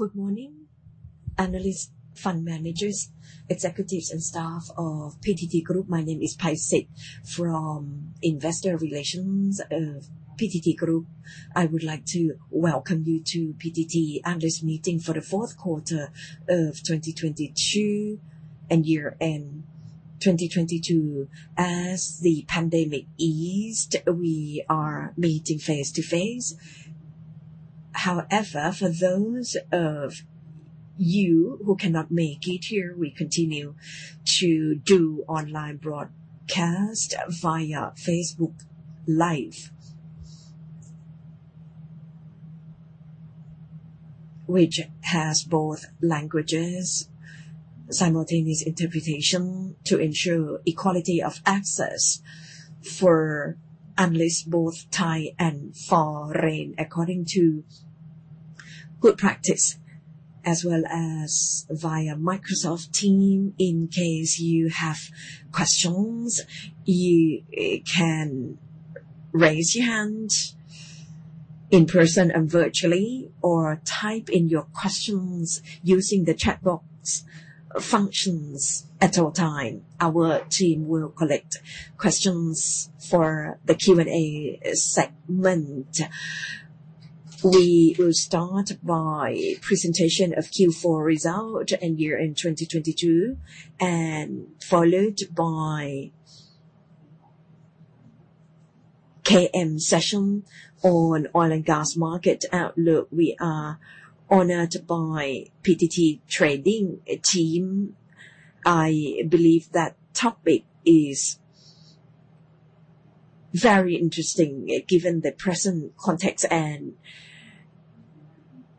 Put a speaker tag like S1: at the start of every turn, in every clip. S1: Good morning, analysts, fund managers, executives and staff of PTT Group. My name is Paisit from Investor Relations of PTT Group. I would like to welcome you to PTT Analyst Meeting for the fourth quarter of 2022 and year-end 2022. As the pandemic eased, we are meeting face-to-face. For those of you who cannot make it here, we continue to do online broadcast via Facebook Live. Which has both languages, simultaneous interpretation to ensure equality of access for analysts both Thai and foreign, according to good practice. Via Microsoft Teams. In case you have questions, you can raise your hand in person and virtually or type in your questions using the chat box functions at all time. Our team will collect questions for the Q&A segment. We will start by presentation of Q4 result and year-end 2022, followed by KM session on oil and gas market outlook. We are honored by PTT trading team. I believe that topic is very interesting given the present context and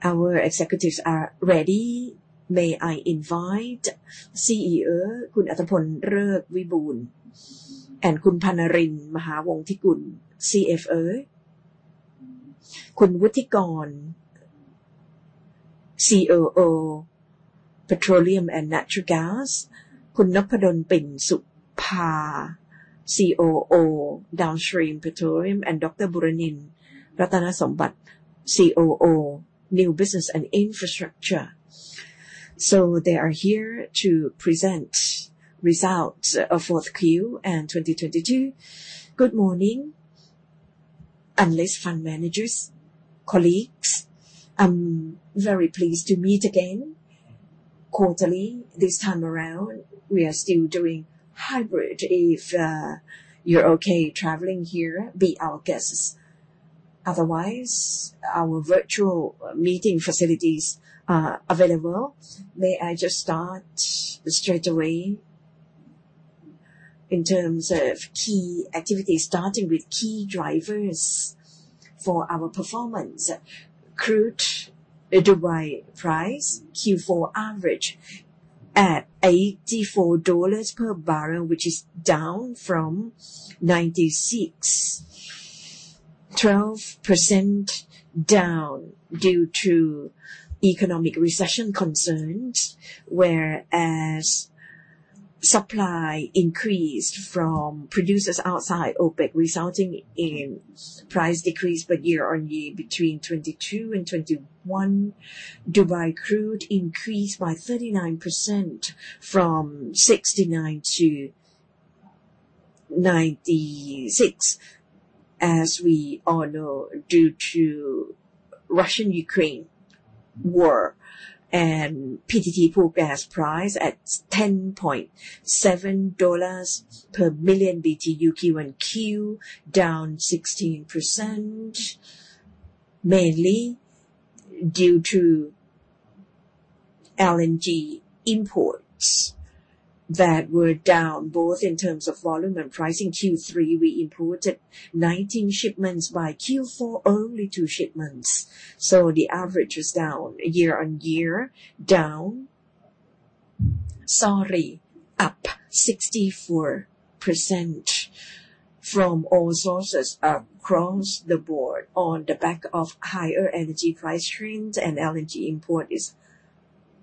S1: our executives are ready. May I invite CEO, Kun Attaporn Lekwiwatboo, and Khun Pannalin Mahawongthikul, CFO. Khun Wuttikorn, COO, Petroleum and Natural Gas. Khun Noppadon Pinsupa, COO, Downstream Petroleum. Dr. Buranin Ratanasombat, COO, New Business and Infrastructure. They are here to present results of 4Q and 2022. Good morning, analysts, fund managers, colleagues. I'm very pleased to meet again quarterly. This time around, we are still doing hybrid. If you're okay traveling here, be our guests. Otherwise, our virtual meeting facilities are available. May I just start straight away? In terms of key activities, starting with key drivers for our performance. Crude Dubai price Q4 average at $84 per barrel, which is down from $96. 12% down due to economic recession concerns, whereas supply increased from producers outside OPEC, resulting in price decrease. Year-on-year between 2022 and 2021, Dubai crude increased by 39% from $69 to $96, as we all know, due to Russian-Ukraine war. PTT Pool gas price at $10.7 per million BTU Q-on-Q, down 16%, mainly due to LNG imports that were down both in terms of volume and pricing. Q3, we imported 19 shipments. By Q4, only two shipments. The average is down year-on-year. Sorry, up 64% from all sources across the board on the back of higher energy price trends and LNG import is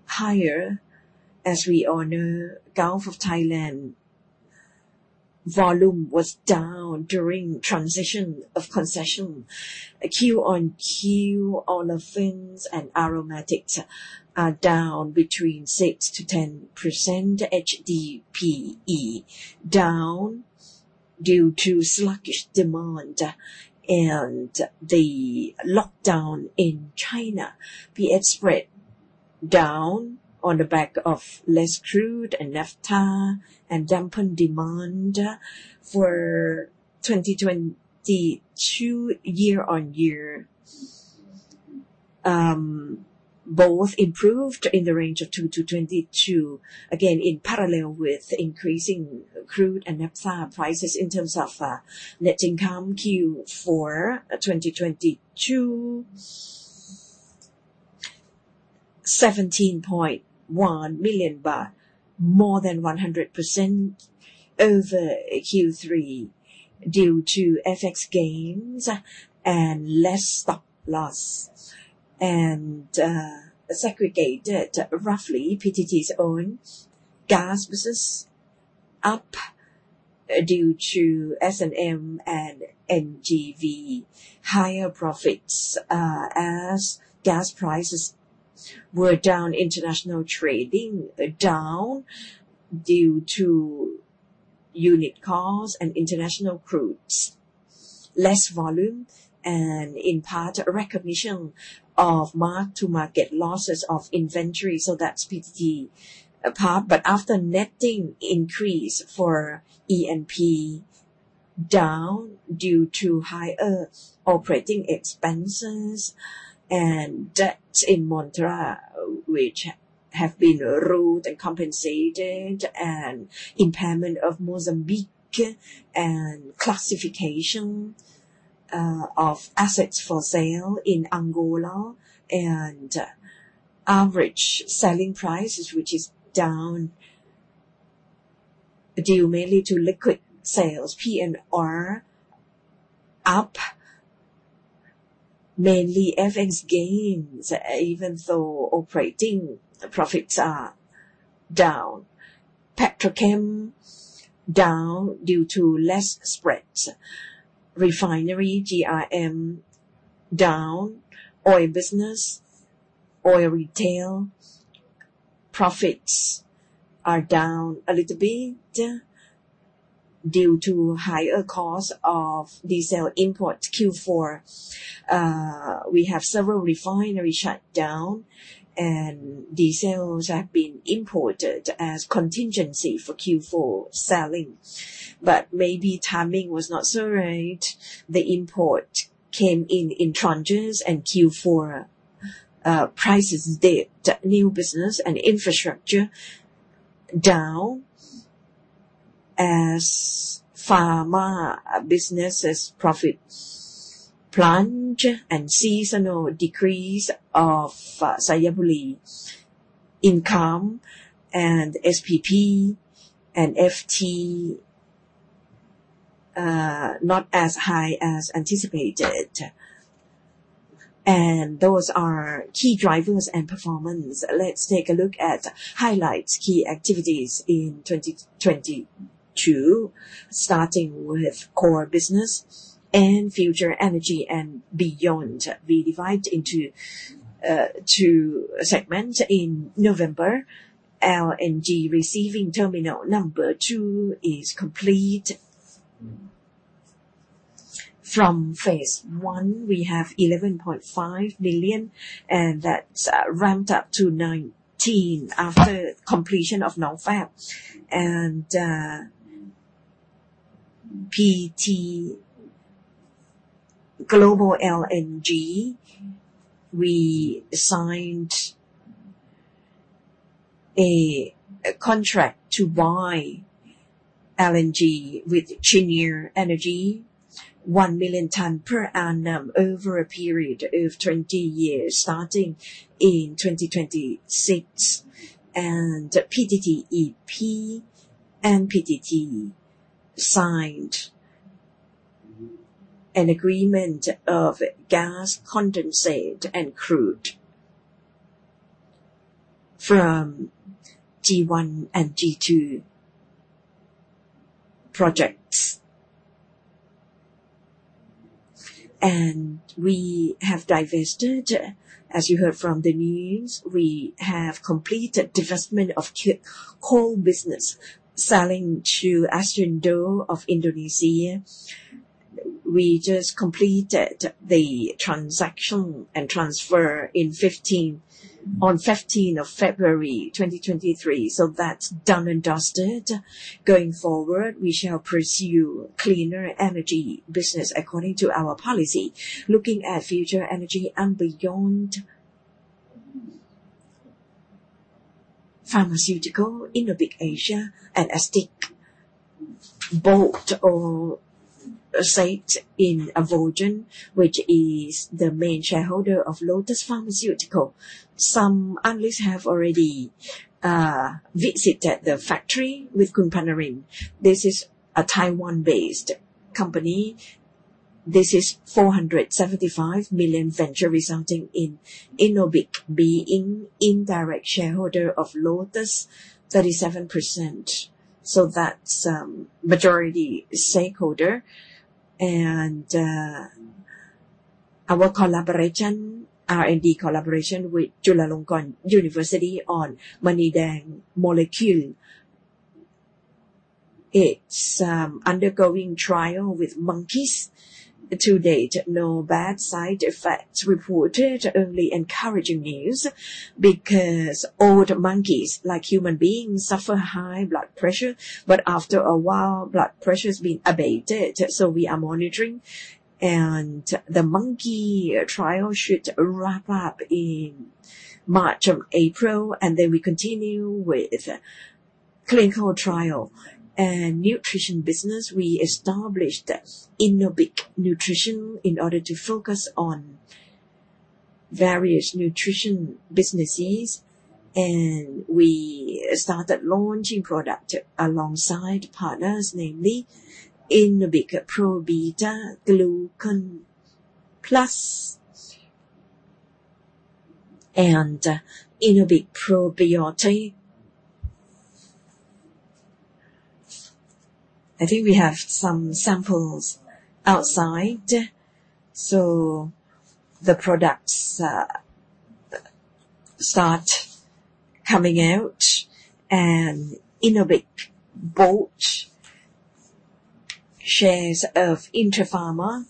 S1: higher. As we all know, Gulf of Thailand volume was down during transition of concession. Q-on-Q olefins and aromatics are down between 6%-10%. HDPE down due to sluggish demand and the lockdown in China. PS spread down on the back of less crude and naphtha and dampened demand. For 2022 year-on-year, both improved in the range of 2%-22%. Again, in parallel with increasing crude and naphtha prices. In terms of net income, Q4 2022, THB 17.1 million, more than 100% over Q3 due to FX gains and less stock loss. Segregated roughly, PTT's own gas business up due to S&M and NGV higher profits, as gas prices were down. International trading are down due to unit costs and international crudes. Less volume and in part a recognition of mark-to-market losses of inventory. That's PTT apart. After netting increase for E&P, down due to higher operating expenses and debts in Montara which have been ruled and compensated, and impairment of Mozambique, and classification of assets for sale in Angola. Average selling prices which is down due mainly to liquid sales. PNR up, mainly FX gains, even though operating profits are down. Petrochem down due to less spreads. Refinery GRM down. Oil business, oil retail profits are down a little bit due to higher cost of diesel imports Q4. We have several refinery shut down and diesels have been imported as contingency for Q4 selling. Maybe timing was not so right. The import came in in tranches in Q4. Prices new business and infrastructure down as pharma business' profits plunge and seasonal decrease of Xayaburi income and SPP and FT not as high as anticipated. Those are key drivers and performance. Let's take a look at highlights, key activities in 2022, starting with core business and future energy and beyond. We divide into two segments. In November, LNG receiving terminal number two is complete. From phase one, we have 11.5 billion, and that's ramped up to 19 after completion of Nong Fab. PTT Global LNG, we signed a contract to buy LNG with Cheniere Energy, 1 million ton per annum over a period of 20 years starting in 2026. PTTEP and PTT signed an agreement of gas condensate and crude from G1 and G2 projects. We have divested, as you heard from the news, we have completed divestment of coal business selling to Adaro of Indonesia. We just completed the transaction and transfer on February 15th, 2023. That's done and dusted. Going forward, we shall pursue cleaner energy business according to our policy. Looking at future energy and beyond. Pharmaceutical, Innobic (Asia) and Aztiq bought all stakes in Alvogen, which is the main shareholder of Lotus Pharmaceutical. Some analysts have already visited the factory with Khun Pannalin. This is a Taiwan-based company. This is a 475 million venture resulting in Innobic being indirect shareholder of Lotus, 37%. That's majority stakeholder. Our collaboration, R&D collaboration with Chulalongkorn University on Maneedang molecule, it's undergoing trial with monkeys. To date, no bad side effects reported, only encouraging news because old monkeys, like human beings, suffer high blood pressure, but after a while, blood pressure's been abated. We are monitoring. The monkey trial should wrap up in March or April, and then we continue with clinical trial. Nutrition business, we established Innobic Nutrition in order to focus on various nutrition businesses. We started launching product alongside partners, namely Innobic Pro Beta-Glucan+ and Innobic Probiotic. I think we have some samples outside. The products start coming out and Innobic bought shares of Inter Pharma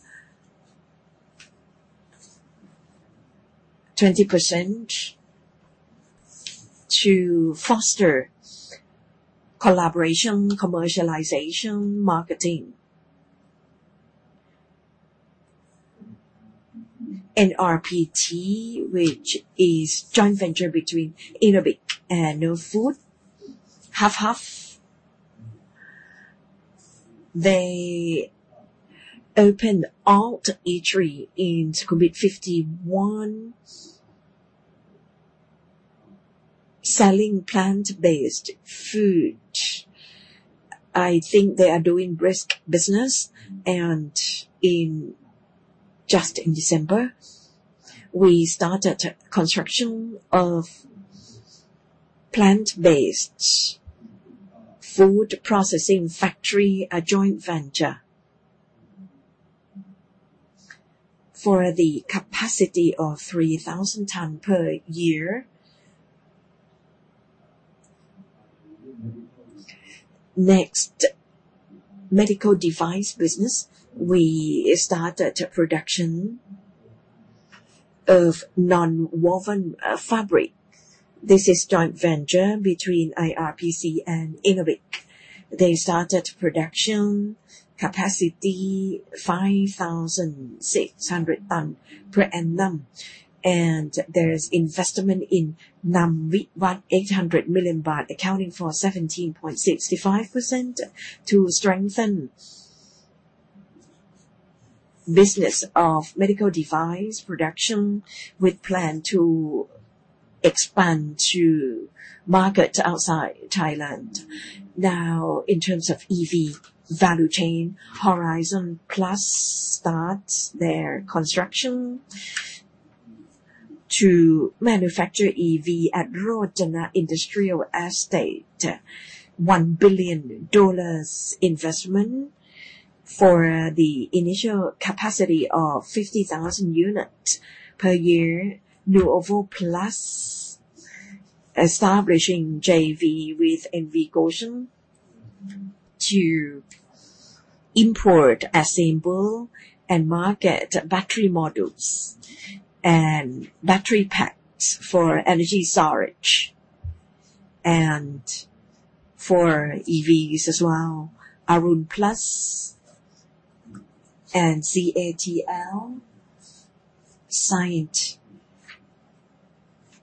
S1: 20% to foster collaboration, commercialization, marketing. NRPT, which is joint venture between Innobic and NR Instant Produce, 50/50. They opened alt. Eatery in Sukhumvit 51, selling plant-based food. I think they are doing brisk business just in December, we started construction of plant-based food processing factory, a joint venture for the capacity of 3,000 ton per year. Medical device business. We started production of non-woven fabric. This is joint venture between IRPC and Innobic. They started production capacity 5,600 tons per annum. There is investment in Namwiwat 800 million baht, accounting for 17.65% to strengthen business of medical device production with plan to expand to market outside Thailand. In terms of EV value chain, Horizon Plus starts their construction to manufacture EV at Rojana Industrial Estate. $1 billion investment for the initial capacity of 50,000 units per year. Nuovo Plus establishing JV with NV Gotion to import, assemble, and market battery modules and battery packs for energy storage and for EVs as well. Arun Plus and CATL signed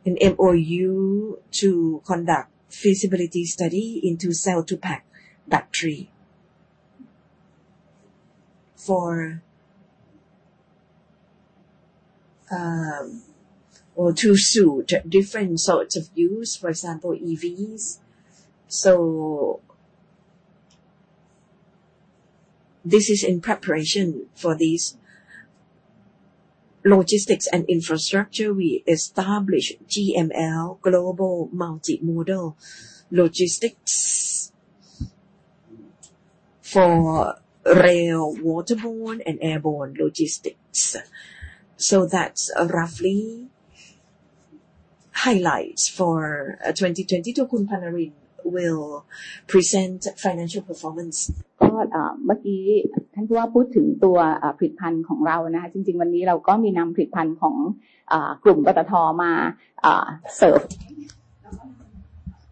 S1: an MOU to conduct feasibility study into cell-to-pack battery for, or to suit different sorts of use, for example, EVs. This is in preparation for these. Logistics and infrastructure, we established GML, Global Multimodal Logistics for rail, waterborne, and airborne logistics. That's roughly highlights for 2020. Khun Pannalin will present financial performance.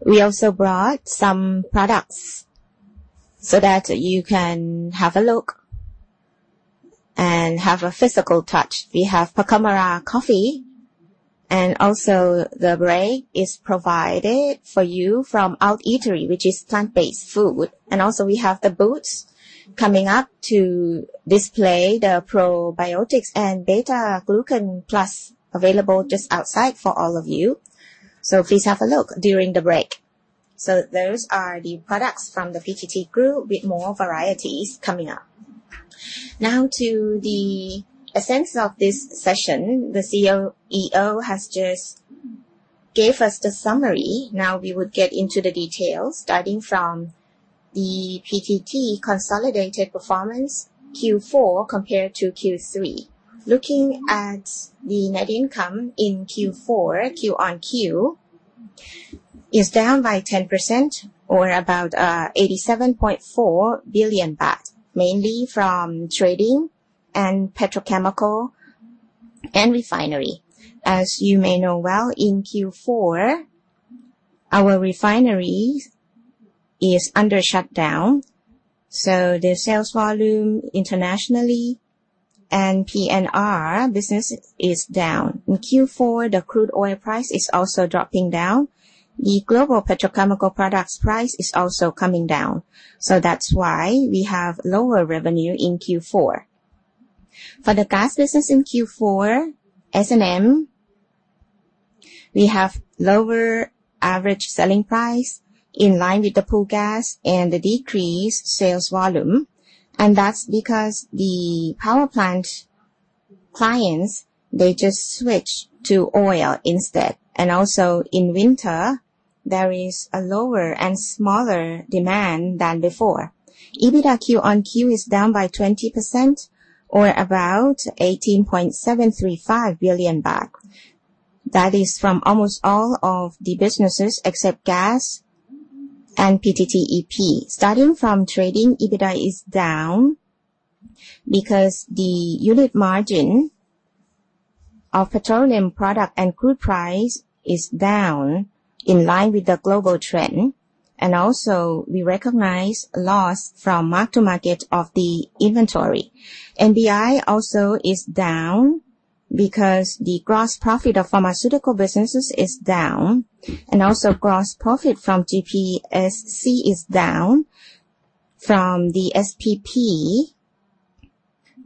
S2: We also brought some products so that you can have a look and have a physical touch. We have Pakamara Coffee and also the break is provided for you from alt. Eatery, which is plant-based food. We have the boots coming up to display the probiotics and Beta-Glucan+ available just outside for all of you. Please have a look during the break. Those are the products from the PTT Group with more varieties coming up. Now to the essence of this session. The CEO has just gave us the summary. Now we will get into the details starting from the PTT consolidated performance Q4 compared to Q3. Looking at the net income in Q4, Q-on-Q is down by 10% or about 87.4 billion baht, mainly from trading and petrochemical and refinery. As you may know well, in Q4, our refinery is under shutdown, so the sales volume internationally and PNR business is down. In Q4, the crude oil price is also dropping down. The global petrochemical products price is also coming down. That's why we have lower revenue in Q4. For the gas business in Q4, S&M, we have lower average selling price. In line with the pool gas and the decreased sales volume. That's because the power plant clients, they just switched to oil instead. Also, in winter, there is a lower and smaller demand than before. EBITDA Q-on-Q is down by 20% or about 18.735 billion baht. That is from almost all of the businesses except gas and PTTEP. Starting from trading, EBITDA is down because the unit margin of petroleum product and crude price is down in line with the global trend. We recognize loss from mark-to-market of the inventory. NBI also is down because the gross profit of pharmaceutical businesses is down. Gross profit from GPSC is down from the SPP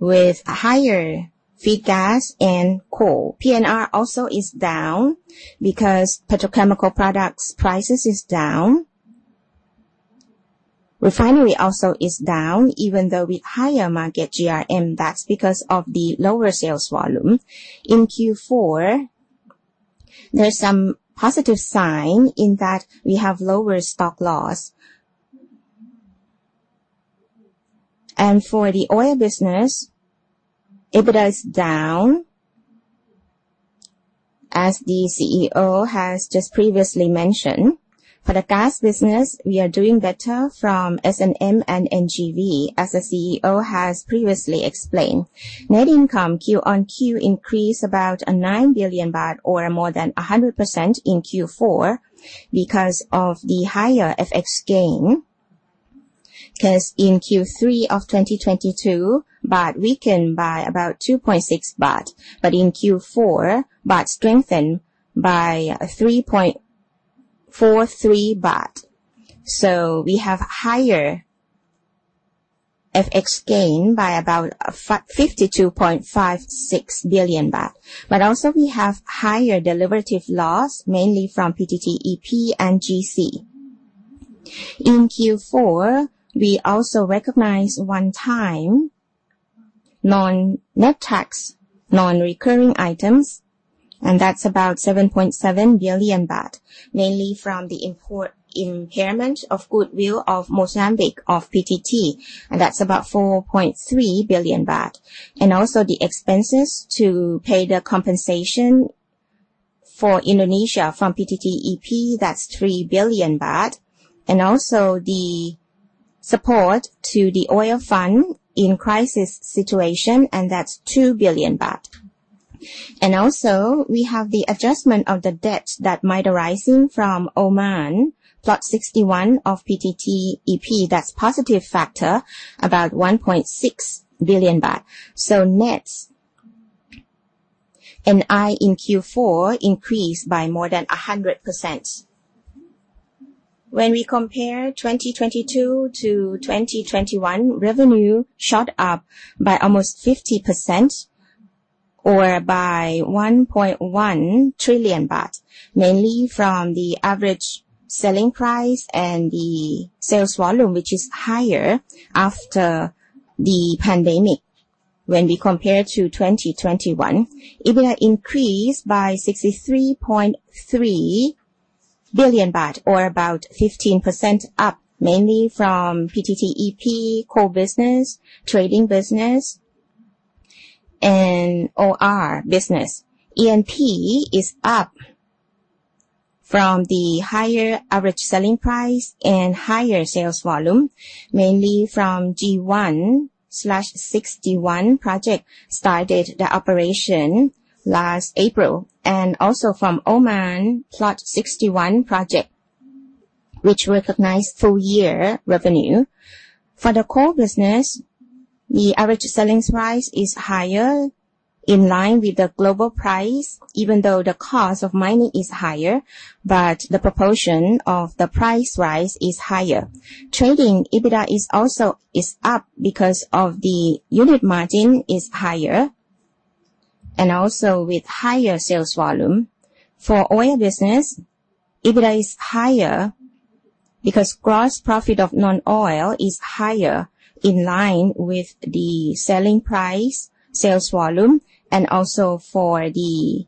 S2: with higher feed gas and coal. PNR also is down because petrochemical products prices is down. Refinery also is down, even though with higher market GRM. That's because of the lower sales volume. In Q4, there's some positive sign in that we have lower stock loss. For the oil business, EBITDA is down, as the CEO has just previously mentioned. For the gas business, we are doing better from SNM and NGV, as the CEO has previously explained. Net income Q-on-Q increased about 9 billion baht or more than 100% in Q4 because of the higher FX gain. 'Cause in Q3 of 2022, baht weakened by about 2.6 baht. In Q4, baht strengthened by 3.43 baht. We have higher FX gain by about 52.56 billion baht. Also, we have higher derivative loss, mainly from PTTEP and GC. In Q4, we also recognized one-time non-net tax, non-recurring items, and that's about 7.7 billion baht, mainly from the import impairment of goodwill of Mozambique of PTT, and that's about 4.3 billion baht. Also the expenses to pay the compensation for Indonesia from PTTEP, that's 3 billion baht. Also the support to the Oil Fuel Fund in crisis situation, and that's 2 billion baht. Also, we have the adjustment of the debt that might arising from Oman Block 61 of PTTEP. That's positive factor, about 1.6 billion baht. Next NI in Q4 increased by more than 100%. When we compare 2022 to 2021, revenue shot up by almost 50% or by 1.1 trillion baht, mainly from the average selling price and the sales volume, which is higher after the pandemic when we compare to 2021. EBITDA increased by 63.3 billion baht or about 15% up, mainly from PTTEP coal business, trading business, and OR business. E&P is up from the higher average selling price and higher sales volume, mainly from G1/61 project, started the operation last April, and also from Oman Block 61 project, which recognized full year revenue. For the coal business, the average selling price is higher in line with the global price, even though the cost of mining is higher. The proportion of the price rise is higher. Trading EBITDA is also up because of the unit margin is higher, and also with higher sales volume. For oil business, EBITDA is higher because gross profit of non-oil is higher in line with the selling price, sales volume, and also for the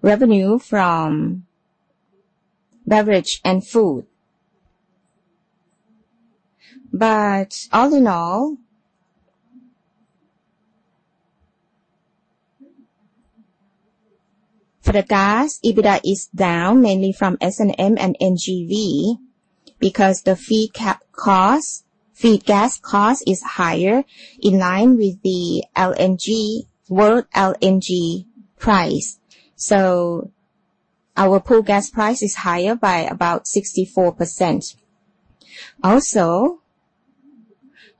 S2: revenue from beverage and food. All in all, for the gas, EBITDA is down mainly from SNM and NGV because the feed gas cost is higher in line with the LNG, world LNG price. Our pool gas price is higher by about 64%.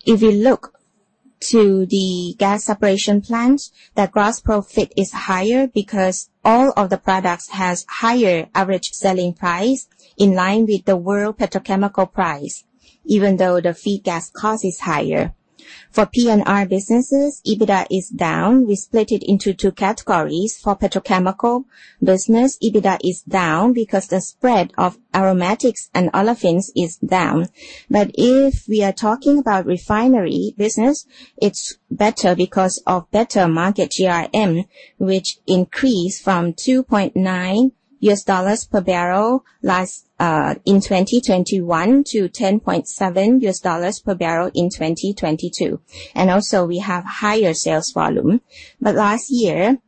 S2: If you look to the gas separation plant, the gross profit is higher because all of the products has higher average selling price in line with the world petrochemical price. Even though the feed gas cost is higher. For P&R businesses, EBITDA is down. We split it into two categories. For petrochemical business, EBITDA is down because the spread of aromatics and olefins is down. If we are talking about refinery business, it's better because of better market GRM, which increased from $2.9 per barrel last in 2021 to $10.7 per barrel in 2022. Also we have higher sales volume. Last year,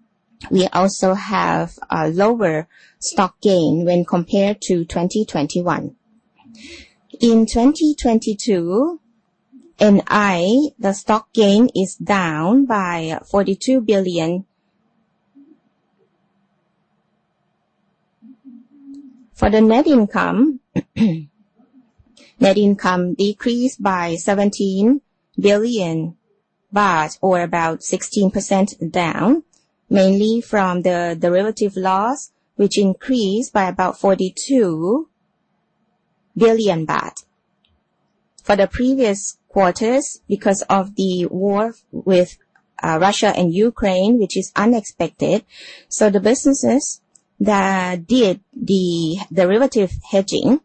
S2: we also have lower stock gain when compared to 2021. In 2022, NI, the stock gain is down by 42 billion. For the net income, net income decreased by 17 billion baht or about 16% down, mainly from the derivative loss, which increased by about 42 billion baht. For the previous quarters, because of the war with Russia and Ukraine, which is unexpected. The businesses that did the derivative hedging,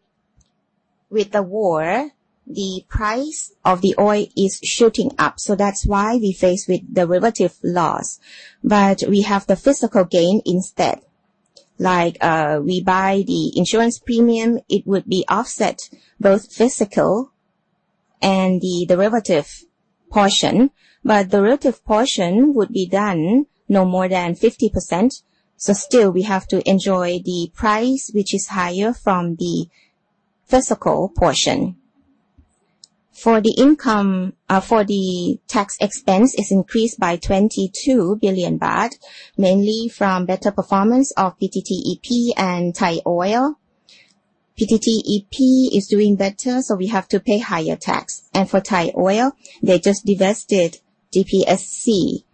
S2: with the war, the price of the oil is shooting up. That's why we faced with derivative loss. We have the physical gain instead. Like, we buy the insurance premium, it would be offset both physical and the derivative portion. Derivative portion would be done no more than 50%. Still we have to enjoy the price, which is higher from the physical portion. For the income, for the tax expense, it's increased by 22 billion baht, mainly from better performance of PTTEP and Thai Oil. PTTEP is doing better. We have to pay higher tax. For Thai Oil, they just divested GPSC.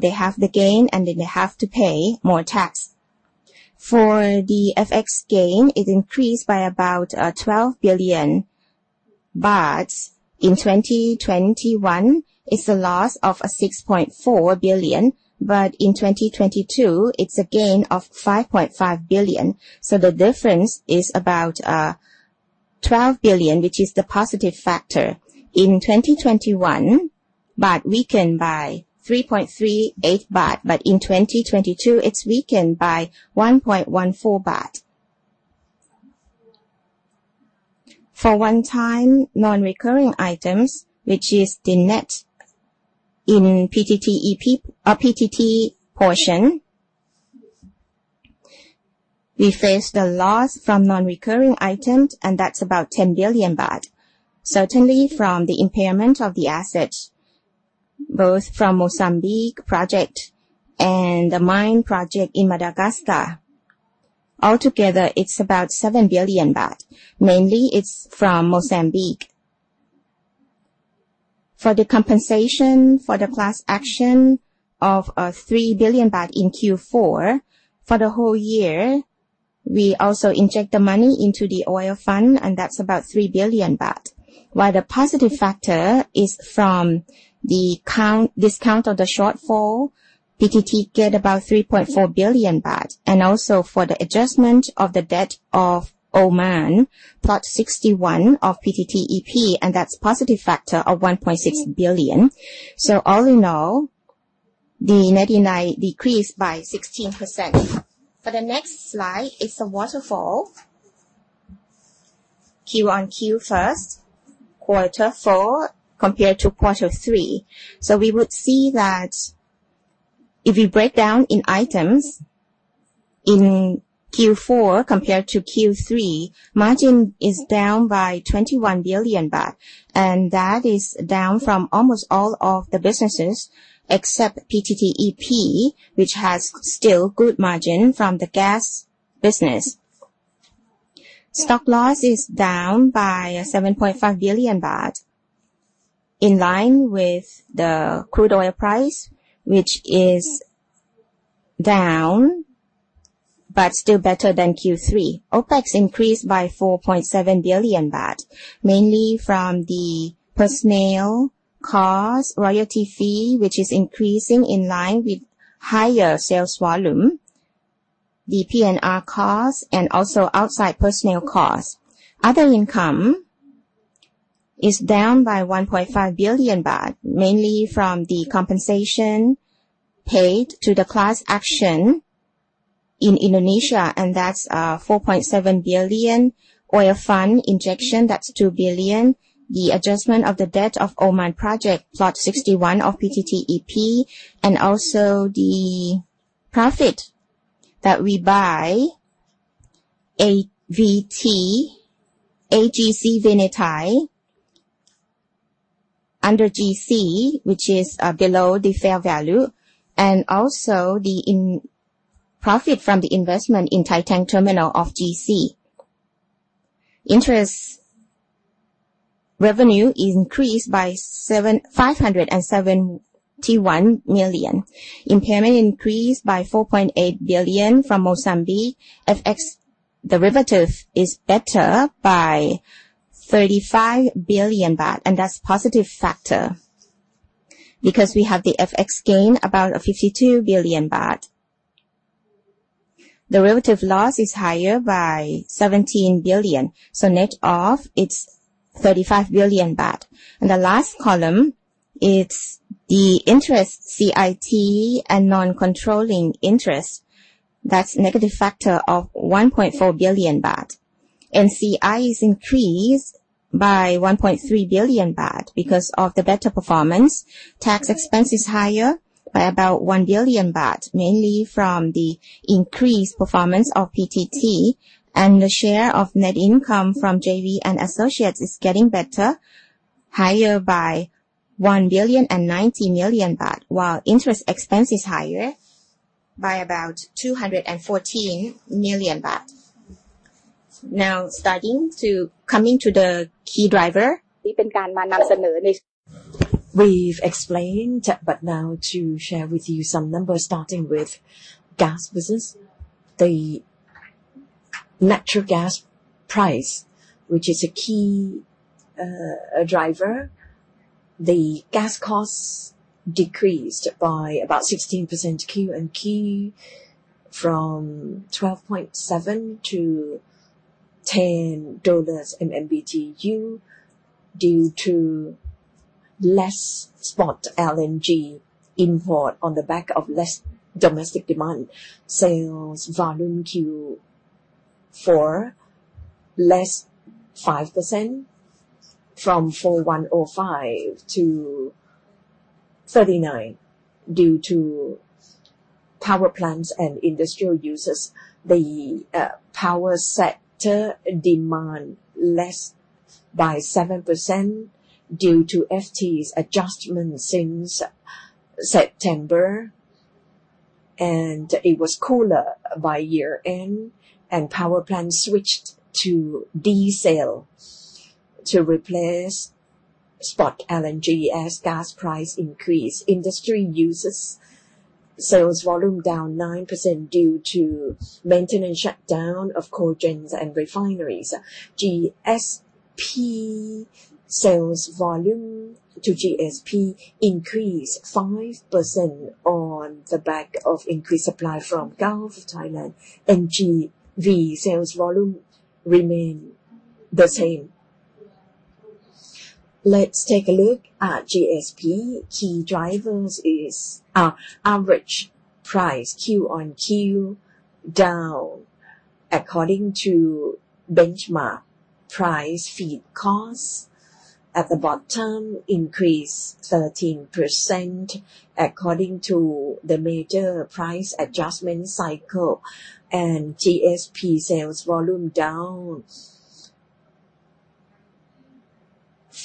S2: They have the gain. They have to pay more tax. For the FX gain, it increased by about 12 billion baht. In 2021, it's a loss of 6.4 billion. In 2022, it's a gain of 5.5 billion. The difference is about 12 billion, which is the positive factor. In 2021, baht weakened by 3.38. In 2022, it's weakened by 1.14 baht. For one-time non-recurring items, which is the net in PTT portion, we face the loss from non-recurring items, and that's about 10 billion baht. Certainly from the impairment of the assets, both from Mozambique project and the mine project in Madagascar. Altogether, it's about 7 billion baht. Mainly, it's from Mozambique. For the compensation for the class action of 3 billion baht in Q4. For the whole year, we also inject the money into the Oil Fuel Fund, and that's about 3 billion baht, while the positive factor is from the count, discount of the shortfall. PTT get about 3.4 billion baht, and also for the adjustment of the debt of Oman Block 61 of PTTEP, and that's positive factor of 1.6 billion. All in all, the net income decreased by 16%. For the next slide is the waterfall. Q-on-Q first, quarter four compared to quarter three. We would see that if we break down in items, in Q4 compared to Q3, margin is down by 21 billion baht. That is down from almost all of the businesses, except PTTEP, which has still good margin from the gas business. Stock loss is down by 7.5 billion baht, in line with the crude oil price, which is down, but still better than Q3. OpEx increased by 4.7 billion baht, mainly from the personnel costs, royalty fee, which is increasing in line with higher sales volume, the P&R costs, and also outside personnel costs. Other income is down by 1.5 billion baht, mainly from the compensation paid to the class action in Indonesia. That's 4.7 billion. Oil fund injection, that's 2 billion. The adjustment of the debt of Oman project, Block 61 of PTTEP, and also the profit that we buy AVT, AGC Vinythai under GC, which is below the fair value, and also the profit from the investment in Thai Tank Terminal of GC. Interest revenue increased by 571 million. Impairment increased by 4.8 billion from Mozambique. FX derivative is better by 35 billion baht. That's positive factor because we have the FX gain about 52 billion baht. Derivative loss is higher by 17 billion. Net off, it's 35 billion baht. The last column, it's the interest, CIT, and non-controlling interest. That's negative factor of 1.4 billion baht. NCI is increased by 1.3 billion baht because of the better performance. Tax expense is higher by about 1 billion baht, mainly from the increased performance of PTT and the share of net income from JV and associates is getting better, higher by 1.09 billion, while interest expense is higher by about 214 million baht. Starting to coming to the key driver.
S1: We've explained, now to share with you some numbers starting with gas business. The natural gas price, which is a key driver. The gas costs decreased by about 16% Q and Q from 12.7 to $10 MMBTU due to less spot LNG import on the back of less domestic demand. Sales volume Q4 less 5% from 4,105 to 39 due to power plants and industrial uses. The power sector demand less by 7% due to FT's adjustments since September, and it was cooler by year-end, and power plants switched to diesel to replace spot LNG as gas price increased. Industry uses sales volume down 9% due to maintenance shutdown of cogens and refineries. GSP sales volume to GSP increased 5% on the back of increased supply from Gulf of Thailand. NGV sales volume remain the same. Let's take a look at GSP. Key drivers is, average price Q-on-Q down according to benchmark price feed costs. At the bottom, increase 13% according to the major price adjustment cycle, and GSP sales volume down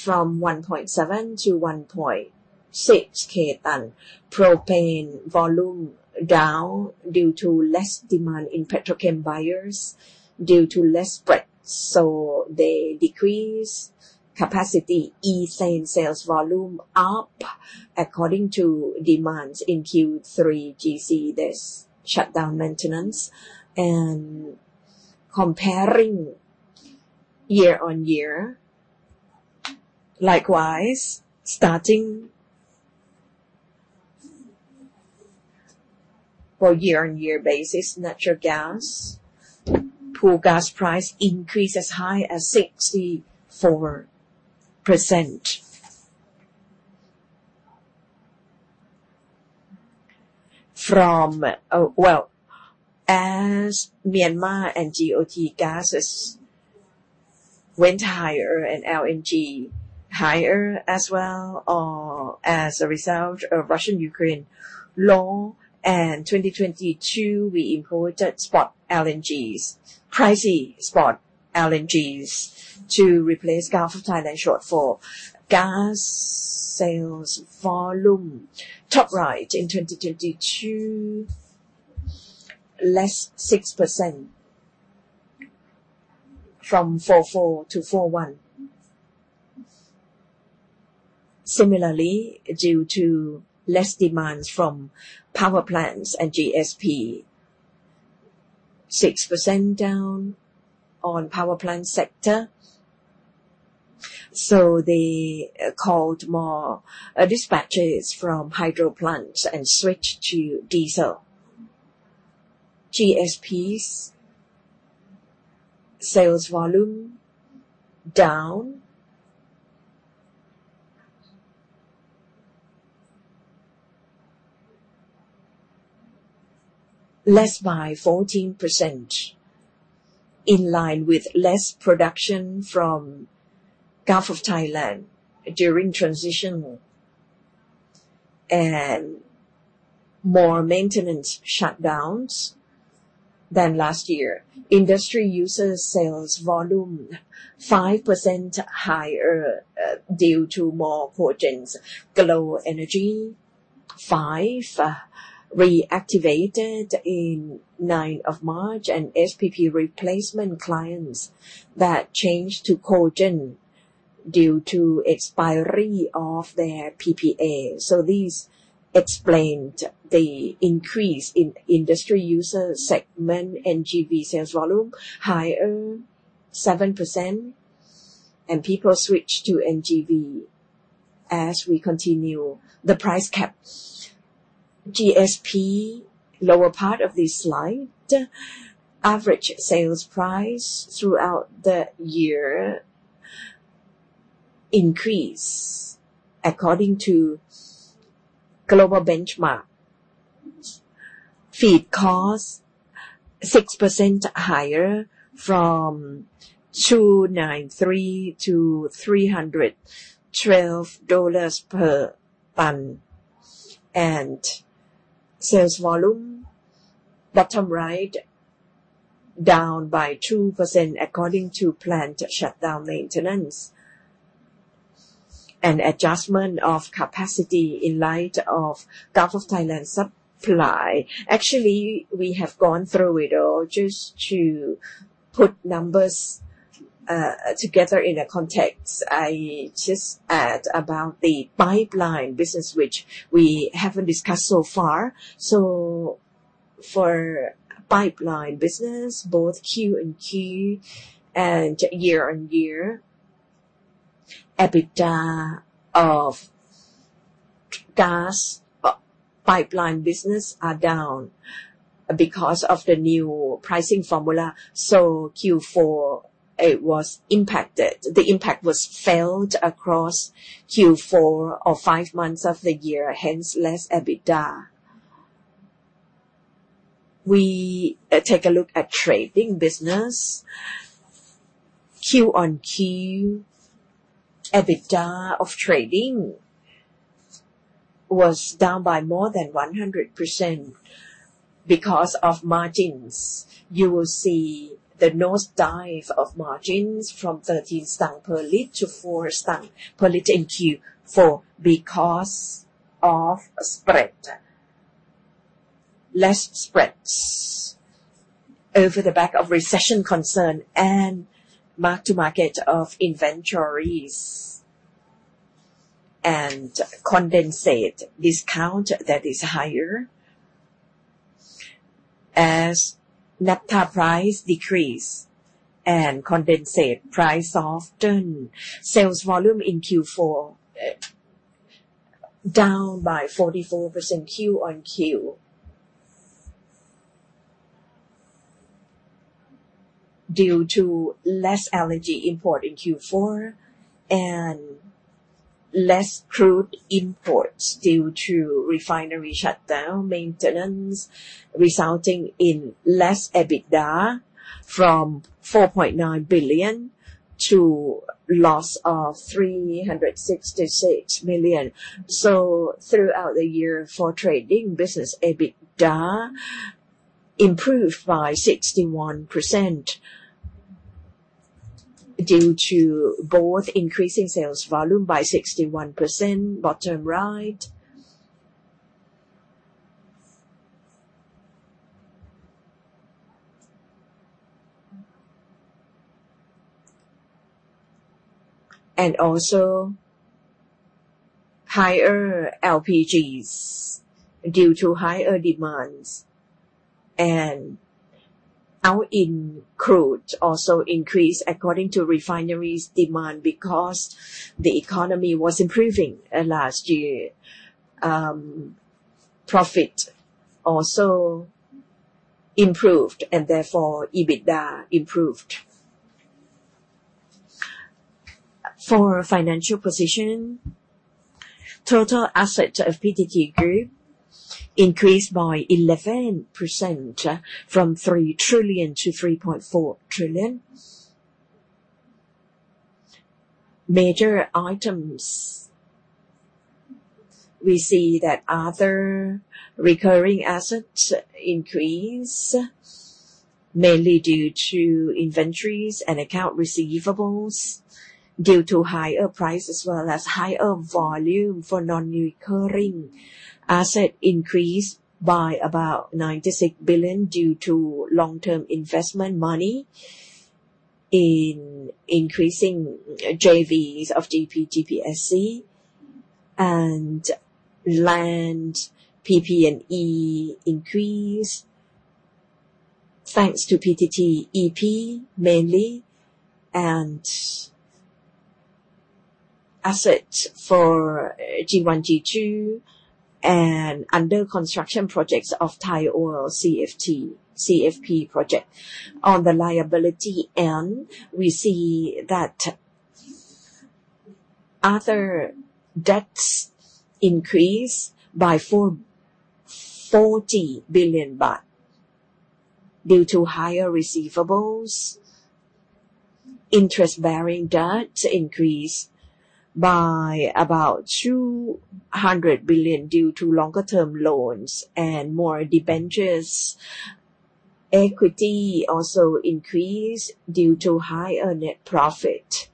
S1: from 1.7 to 1.6 K ton. Propane volume down due to less demand in petrochem buyers due to less spread, so they decrease capacity. Ethane sales volume up according to demands. In Q3, GC does shutdown maintenance. Comparing year-on-year, starting for year-on-year basis, natural gas. Pool gas price increased as high as 64% from as Myanmar and GOT gases went higher and LNG higher as well, or as a result of Russian-Ukraine war and 2022, we imported spot LNGs, pricey spot LNGs to replace Gulf of Thailand shortfall. Gas sales volume, top right in 2022 less 6% from 44 to 41. Similarly, due to less demands from power plants and GSP, 6% down on power plant sector, they called more dispatchers from hydro plants and switched to diesel. GSPs sales volume down less by 14%, in line with less production from Gulf of Thailand during transition and more maintenance shutdowns than last year. Industry users sales volume 5% higher, due to more cogens. Glow Energy, 5. Reactivated in March 9th and SPP replacement clients that changed to cogen due to expiry of their PPA. These explained the increase in industry user segment NGV sales volume higher 7% and people switch to NGV as we continue the price cap. GSP, lower part of this slide, average sales price throughout the year increase according to global benchmarks. Feed costs 6% higher from 293 to $312 per ton. sales volume, bottom right, down by 2% according to plant shutdown maintenance and adjustment of capacity in light of Gulf of Thailand supply. Actually, we have gone through it all just to put numbers together in a context. I just add about the pipeline business which we haven't discussed so far. for pipeline business, both Q-on-Q and year-on-year, EBITDA of gas pipeline business are down because of the new pricing formula. Q4, it was impacted. The impact was felt across Q4 or 5 months of the year, hence less EBITDA. We take a look at trading business. Q-on-Q, EBITDA of trading was down by more than 100% because of margins. You will see the nosedive of margins from 0.13 per liter to 0.04 per liter in Q4 because of spread. Less spreads over the back of recession concern and mark-to-market of inventories and condensate discount that is higher as naphtha price decrease and condensate price soften. Sales volume in Q4 down by 44% Q-on-Q. Due to less LNG import in Q4 and less crude imports due to refinery shutdown maintenance, resulting in less EBITDA from 4.9 billion to loss of 366 million. Throughout the year for trading business, EBITDA improved by 61% due to both increasing sales volume by 61%, bottom right. Also higher LPGs due to higher demands. Out in crude also increased according to refinery's demand because the economy was improving last year. Profit also improved and therefore EBITDA improved. For financial position, total asset of PTT Group increased by 11% from THB 3 trillion-THB 3.4 trillion. Major items, we see that other recurring assets increased mainly due to inventories and account receivables due to higher price as well as higher volume for non-recurring. Asset increased by about 96 billion due to long-term investment money in increasing JVs of GP, GPSC and land, PP&E increased thanks to PTTEP mainly. Assets for G1, G2 and under construction projects of Thai Oil CFP project. On the liability end, we see that other debts increased by 40 billion baht due to higher receivables. Interest-bearing debt increased by about 200 billion due to longer term loans and more debentures. Equity also increase due to higher net profit.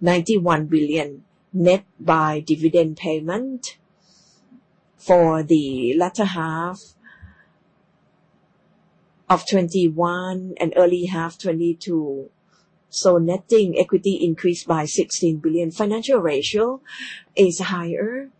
S1: 91 billion net by dividend payment for the latter half of 2021 and early half 2022. Netting equity increased by 16 billion. Financial ratio is higher.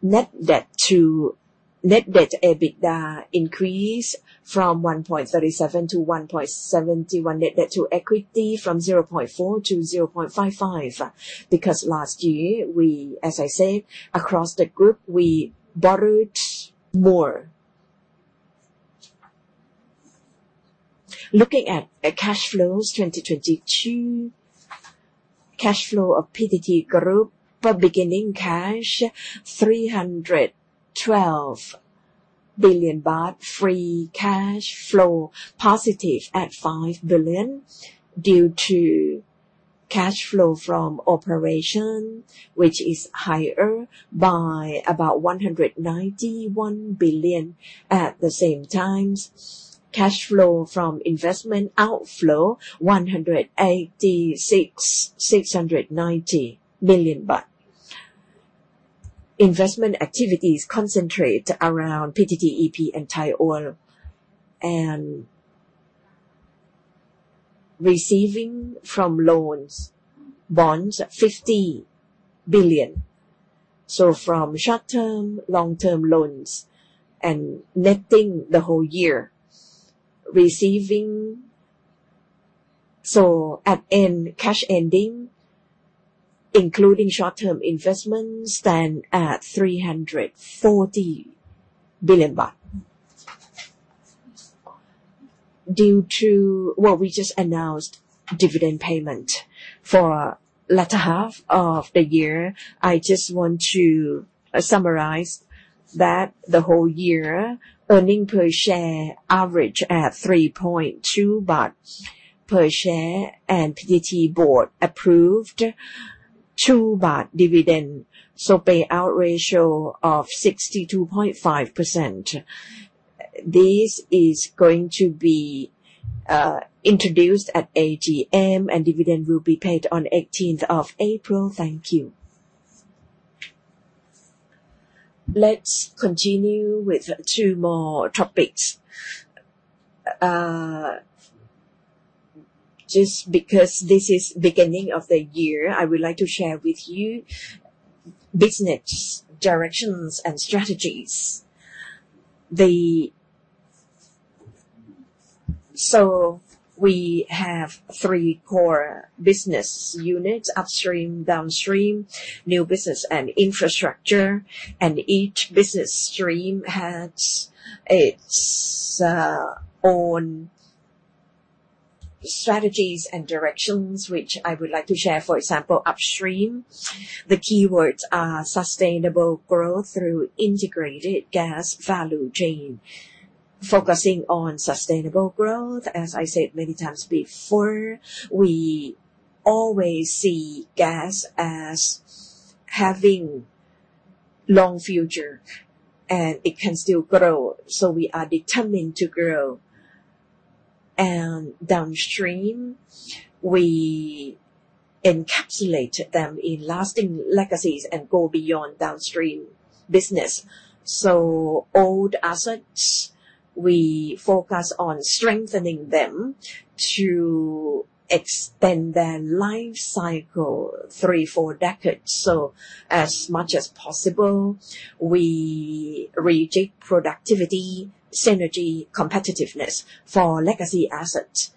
S1: Net debt to EBITDA increased from 1.37-1.71. Net debt to equity from 0.4-0.55. Because last year we, as I said, across the PTT Group, we borrowed more. Looking at the cash flows 2022. Cash flow of PTT Group for beginning cash, 312 billion baht. Free cash flow positive at 5 billion due to cash flow from operation, which is higher by about 191 billion. At the same time, cash flow from investment outflow 186,690 billion baht. Investment activities concentrate around PTTEP and Thai Oil. And receiving from loans, bonds 50 billion. From short-term, long-term loans and netting the whole year. Receiving, at end, cash ending, including short-term investments, stand at THB 340 billion. Due to what we just announced, dividend payment for latter half of the year. I just want to summarize that the whole year, earning per share average at 3.2 baht per share, and PTT board approved 2 baht dividend. Payout ratio of 62.5%. This is going to be introduced at AGM, and dividend will be paid on April 18th. Thank you. Let's continue with two more topics. Just because this is beginning of the year, I would like to share with you business directions and strategies. We have three core business units: upstream, downstream, new business and infrastructure. Each business stream has its own strategies and directions, which I would like to share. For example, upstream, the keywords are sustainable growth through integrated gas value chain. Focusing on sustainable growth, as I said many times before, we always see gas as having long future, and it can still grow. We are determined to grow. Downstream, we encapsulate them in lasting legacies and go beyond downstream business. Old assets, we focus on strengthening them to extend their life cycle three, four decades. As much as possible, we retake productivity, synergy, competitiveness for legacy assets.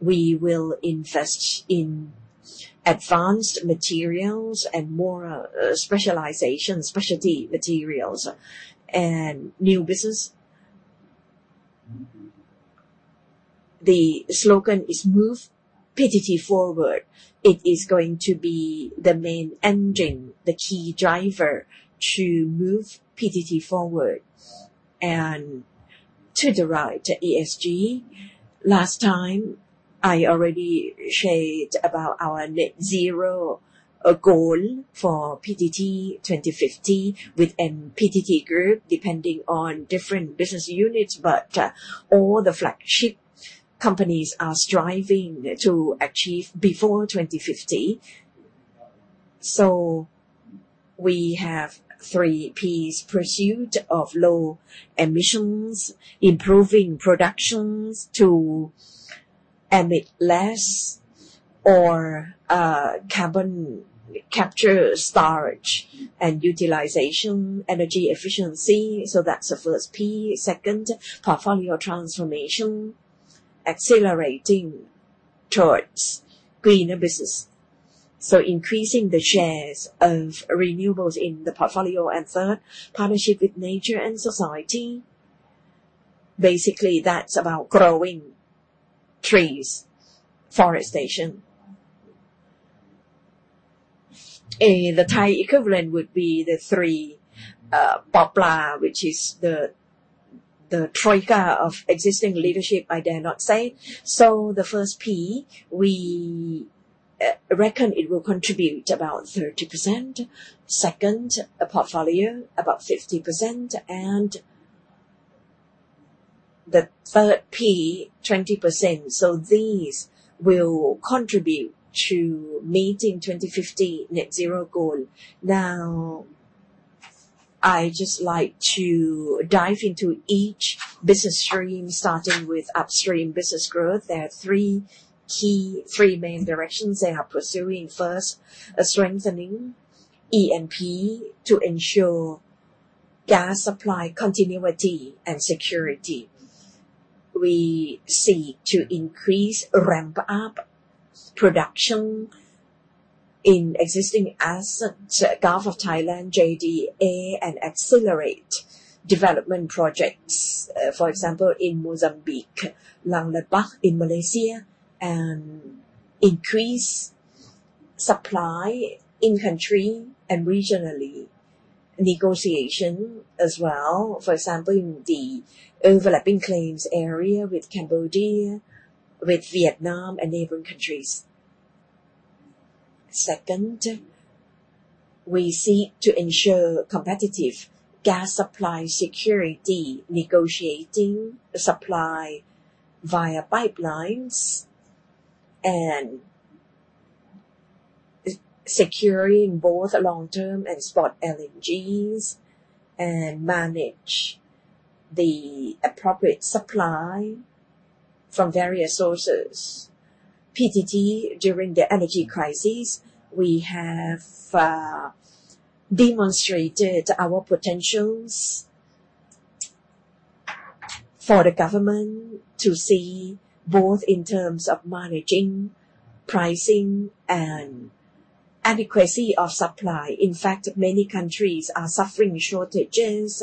S1: We will invest in advanced materials and more specializations, specialty materials and new business. The slogan is Move PTT Forward. It is going to be the main engine, the key driver to move PTT forward. To the right, ESG. Last time, I already shared about our Net Zero goal for PTT 2050 within PTT Group, depending on different business units. All the flagship companies are striving to achieve before 2050. We have three Ps: Pursuit of low emissions, improving productions to emit less or carbon capture storage and utilization, energy efficiency. That's the first P. Second, portfolio transformation, accelerating towards greener business. Increasing the shares of renewables in the portfolio. Third, partnership with nature and society. Basically, that's about growing trees, forestation. The Thai equivalent would be the 3 Poplar, which is the troika of existing leadership, I dare not say. The first P, we reckon it will contribute about 30%. Second, portfolio about 50%, and the third P, 20%. These will contribute to meeting 2050 Net Zero goal. I just like to dive into each business stream, starting with upstream business growth. There are three main directions they are pursuing. First, strengthening E&P to ensure gas supply continuity and security. We seek to increase, ramp up production in existing assets, Gulf of Thailand, JDA, and accelerate development projects. For example, in Mozambique, Lang Lebah in Malaysia, and increase supply in country and regionally. Negotiation as well. For example, in the overlapping claims area with Cambodia, with Vietnam and neighboring countries. Second, we seek to ensure competitive gas supply security, negotiating supply via pipelines and securing both long-term and spot LNGs, and manage the appropriate supply from various sources. PTT, during the energy crisis, we have demonstrated our potentials for the government to see both in terms of managing pricing and adequacy of supply. In fact, many countries are suffering shortages.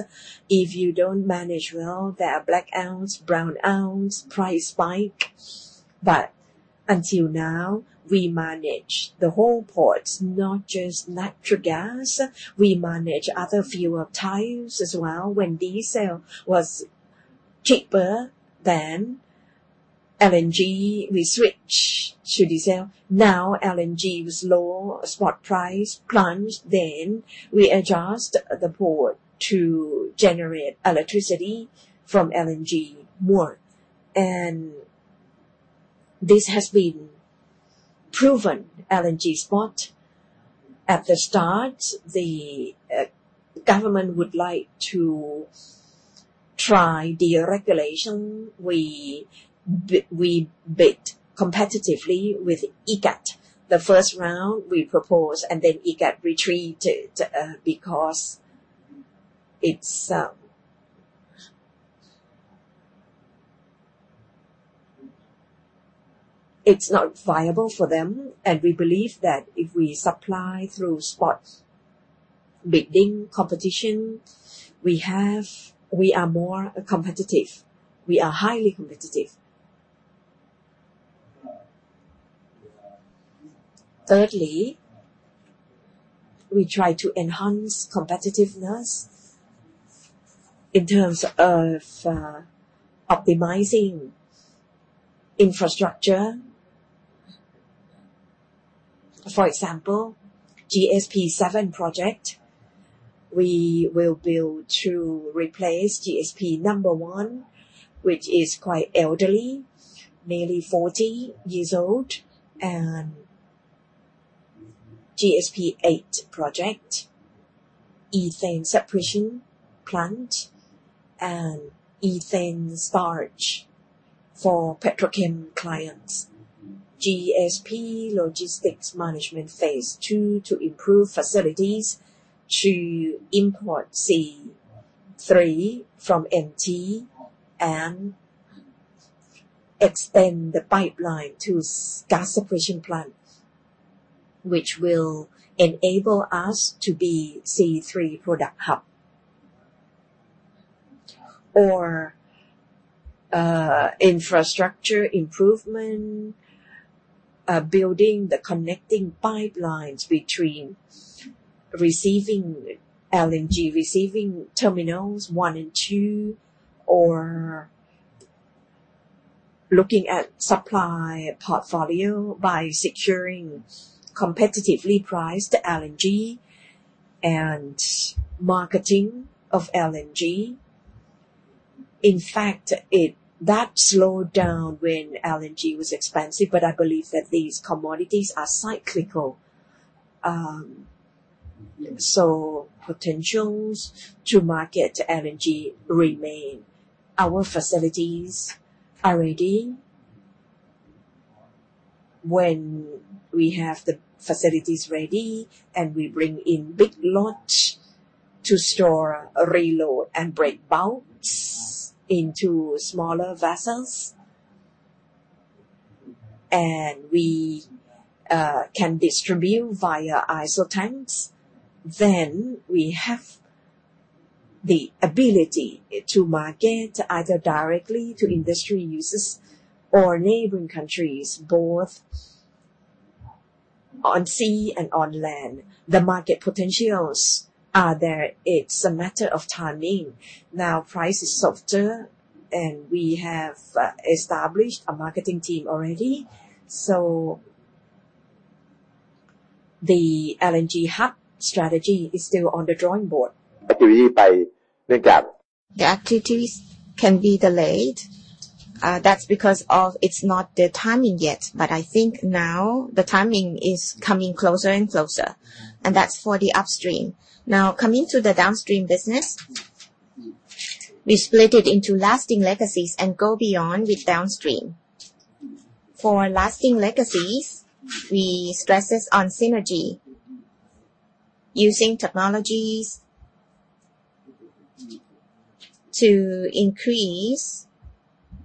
S1: If you don't manage well, there are blackouts, brownouts, price spike. Until now, we manage the whole ports, not just natural gas. We manage other fuel types as well. When diesel was cheaper than LNG, we switch to diesel. LNG was low, spot price plunged, then we adjust the port to generate electricity from LNG more. This has been proven LNG spot. At the start, the government would like to try deregulation. We bid competitively with EGAT. The first round we proposed, and then EGAT retreated because it's not viable for them. We believe that if we supply through spot bidding competition, we are more competitive. We are highly competitive. Thirdly, we try to enhance competitiveness in terms of optimizing infrastructure. For example, GSP-7 project, we will build to replace GSP-1, which is quite elderly, nearly 40 years old. GSP eight project, ethane separation plant and ethane barge for petrochem clients. GSP logistics management phase 2 to improve facilities to import C3 from MT and extend the pipeline to gas separation plant, which will enable us to be C3 product hub. Infrastructure improvement, building the connecting pipelines between receiving LNG, receiving terminals 1 and 2, or looking at supply portfolio by securing competitively priced LNG and marketing of LNG. In fact, that slowed down when LNG was expensive, but I believe that these commodities are cyclical. Potentials to market LNG remain. Our facilities are ready. When we have the facilities ready, and we bring in big launch to store, reload, and break bulks into smaller vessels, and we can distribute via iso tanks, then we have the ability to market either directly to industry users or neighboring countries, both. On sea and on land. The market potentials are there. It's a matter of timing. Price is softer and we have established a marketing team already. The LNG hub strategy is still on the drawing board.
S2: The activities can be delayed. That's because of it's not the timing yet, but I think now the timing is coming closer and closer, and that's for the upstream. Coming to the downstream business, we split it into Lasting Legacies and Go Beyond with Downstream. For Lasting Legacies, we stresses on synergy using technologies to increase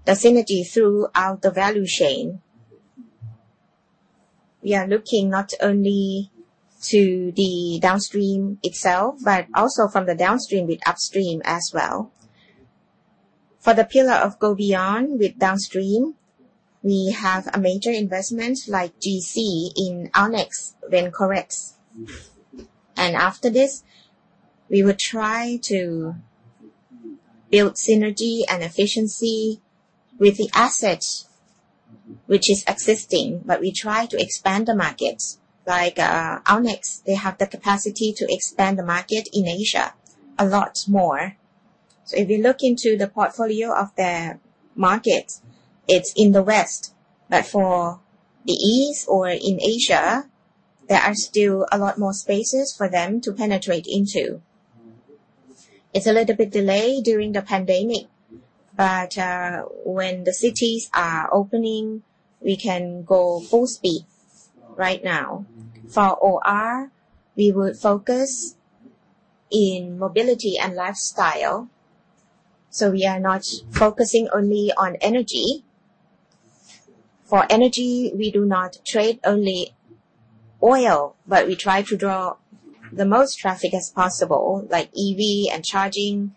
S2: the synergy throughout the value chain. We are looking not only to the downstream itself, but also from the downstream with upstream as well. For the pillar of Go Beyond with Downstream, we have a major investment like GC in Allnex when correct. After this, we will try to build synergy and efficiency with the assets which is existing, but we try to expand the markets. Like Allnex, they have the capacity to expand the market in Asia a lot more. If you look into the portfolio of their market, it's in the West. For the East or in Asia, there are still a lot more spaces for them to penetrate into. It's a little bit delayed during the pandemic, but when the cities are opening, we can go full speed right now. For OR, we will focus in mobility and lifestyle, so we are not focusing only on energy. For energy, we do not trade only oil, but we try to draw the most traffic as possible, like EV and charging.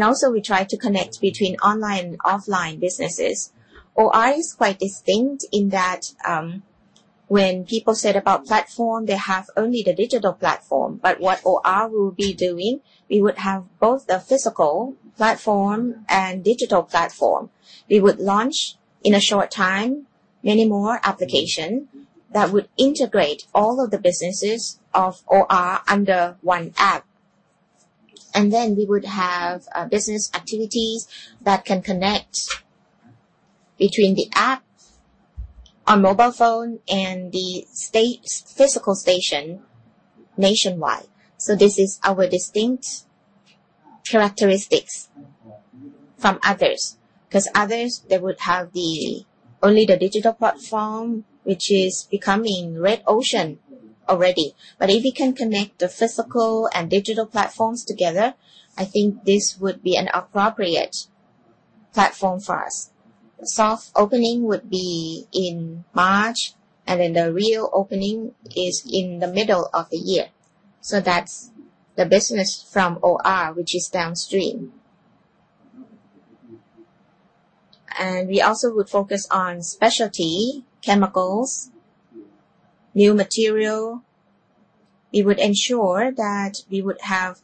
S2: Also, we try to connect between online and offline businesses. OR is quite distinct in that, when people said about platform, they have only the digital platform. What OR will be doing, we would have both the physical platform and digital platform. We would launch in a short time many more application that would integrate all of the businesses of OR under one app. We would have business activities that can connect between the app on mobile phone and the state's physical station nationwide. This is our distinct characteristics from others. 'Cause others, they would have only the digital platform, which is becoming red ocean already. If we can connect the physical and digital platforms together, I think this would be an appropriate platform for us. Soft opening would be in March, and then the real opening is in the middle of the year. That's the business from OR, which is downstream. We also would focus on specialty chemicals, new material. We would ensure that we would have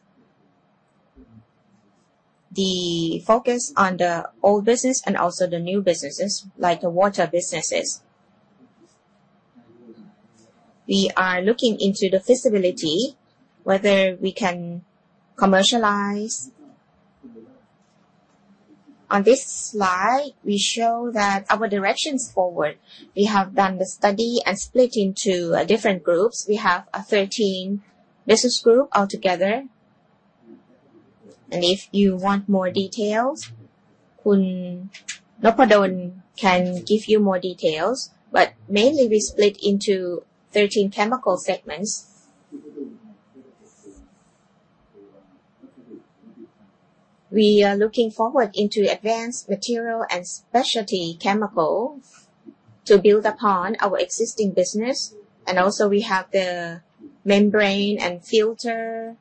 S2: the focus on the old business and also the new businesses, like the water businesses. We are looking into the feasibility, whether we can commercialize. On this slide, we show that our directions forward. We have done the study and split into different groups. We have 13 business group altogether. If you want more details, Kun Noppadon can give you more details. Mainly we split into 13 chemical segments. We are looking forward into advanced material and specialty chemical to build upon our existing business. Also we have the membrane and filter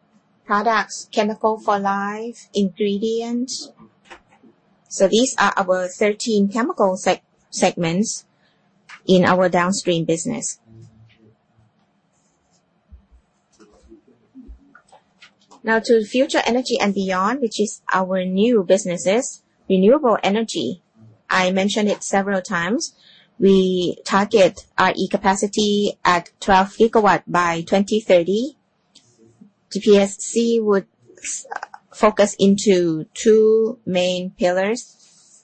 S2: products, chemical for life, ingredient. These are our 13 chemical segments in our downstream business. Now to future energy and beyond, which is our new businesses. Renewable energy, I mentioned it several times. We target RE capacity at 12 GW by 2030. GPSC would focus into two main pillars,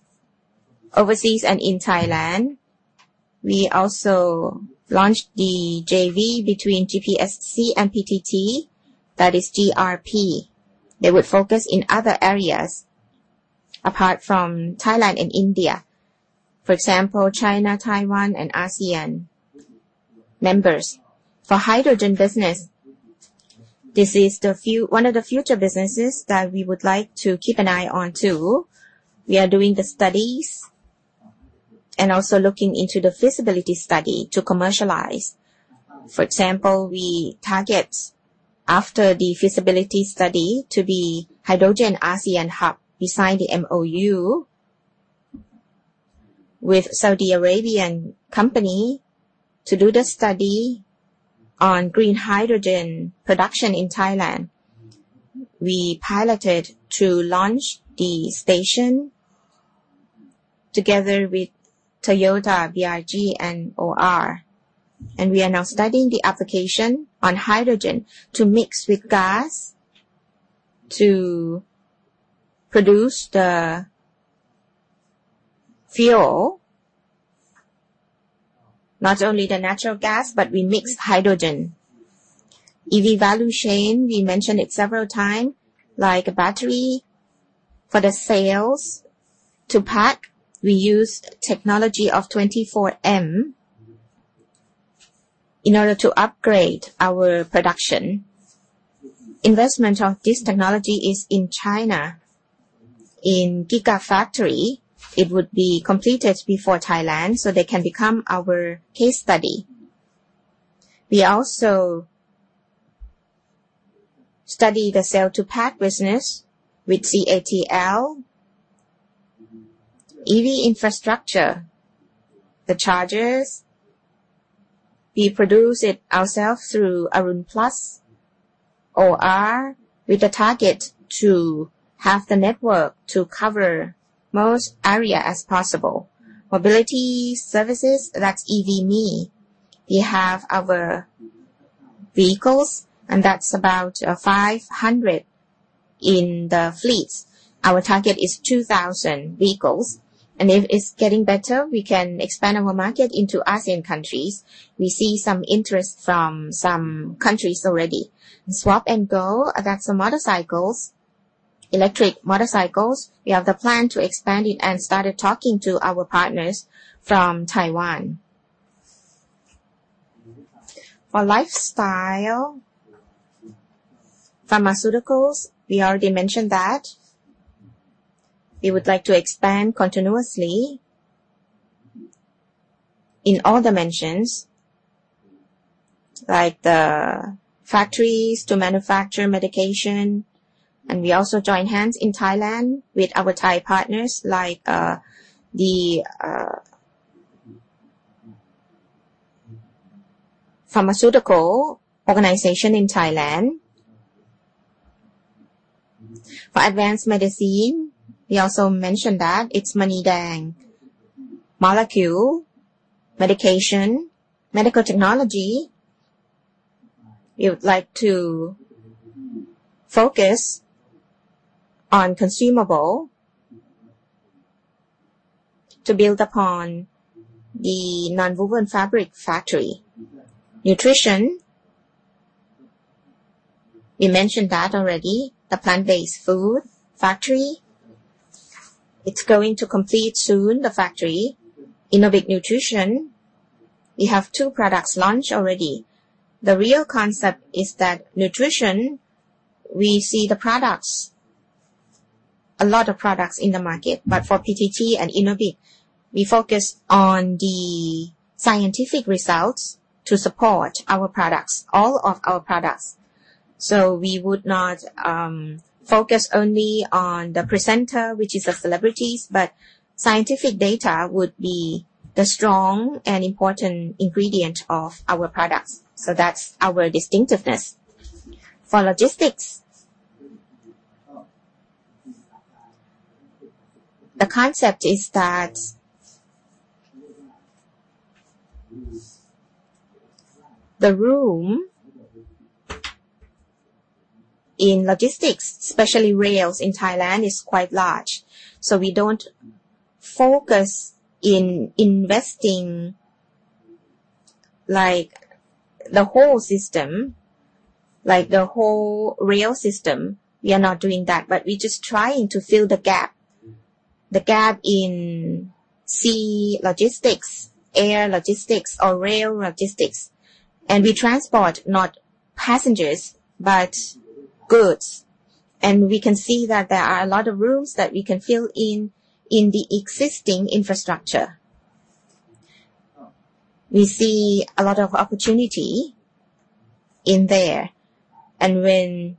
S2: overseas and in Thailand. We also launched the JV between GPSC and PTT, that is GRP. They would focus in other areas apart from Thailand and India. For example, China, Taiwan, and ASEAN members. For hydrogen business, this is one of the future businesses that we would like to keep an eye on too. We are doing the studies and also looking into the feasibility study to commercialize. For example, we target after the feasibility study to be hydrogen ASEAN hub. We signed the MOU with Saudi Arabian company to do the study on green hydrogen production in Thailand. We piloted to launch the station together with Toyota, BRG, and OR. We are now studying the application on hydrogen to mix with gas to produce the fuel. Not only the natural gas, but we mix hydrogen. EV value chain, we mentioned it several time, like battery for the cell. To pack, we used technology of 24M in order to upgrade our production. Investment of this technology is in China. In gigafactory, it would be completed before Thailand, so they can become our case study. We also study the cell-to-pack business with CATL. EV infrastructure, the chargers, we produce it ourselves through Arun Plus OR with the target to have the network to cover most area as possible. Mobility services, that's EVme. We have our vehicles, and that's about 500 in the fleet. Our target is 2,000 vehicles. If it's getting better, we can expand our market into ASEAN countries. We see some interest from some countries already. Swap & Go, that's the motorcycles, electric motorcycles. We have the plan to expand it and started talking to our partners from Taiwan. For lifestyle, pharmaceuticals, we already mentioned that. We would like to expand continuously in all dimensions, like the factories to manufacture medication. We also join hands in Thailand with our Thai partners like the pharmaceutical organization in Thailand. For advanced medicine, we also mentioned that it's Maneedang molecule medication. Medical technology, we would like to focus on consumable to build upon the nonwoven fabric factory. Nutrition, we mentioned that already. The plant-based food factory, it's going to complete soon, the factory. Innobic Nutrition, we have two products launched already. The real concept is that nutrition, we see the products, a lot of products in the market. For PTT and Innobic, we focus on the scientific results to support our products, all of our products. We would not focus only on the presenter, which is the celebrities, but scientific data would be the strong and important ingredient of our products. That's our distinctiveness. For logistics, the concept is that the room in logistics, especially rails in Thailand, is quite large. We don't focus in investing like the whole system, like the whole rail system. We are not doing that, but we just trying to fill the gap. The gap in sea logistics, air logistics or rail logistics. We transport not passengers, but goods. We can see that there are a lot of rooms that we can fill in the existing infrastructure. We see a lot of opportunity in there. When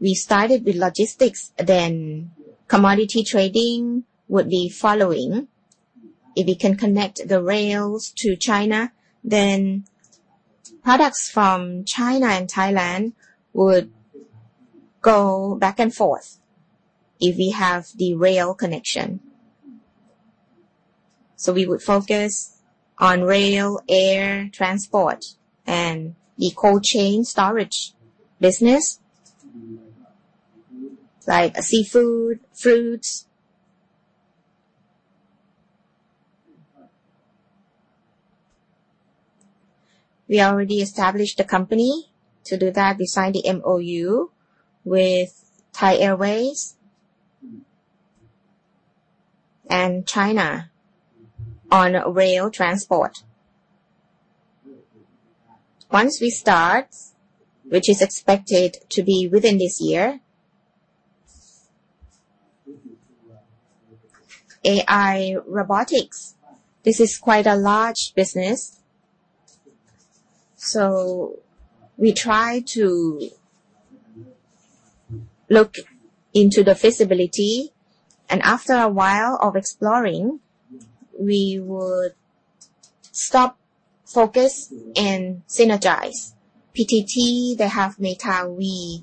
S2: we started with logistics, then commodity trading would be following. If we can connect the rails to China, then products from China and Thailand would go back and forth if we have the rail connection. We would focus on rail, air transport and the cold chain storage business, like seafood, fruits. We already established the company to do that. We signed the MOU with Thai Airways and China on rail transport. Once we start, which is expected to be within this year. AI robotics, this is quite a large business. We try to look into the feasibility. After a while of exploring, we would stop, focus, and synergize. PTT, they have Mekha V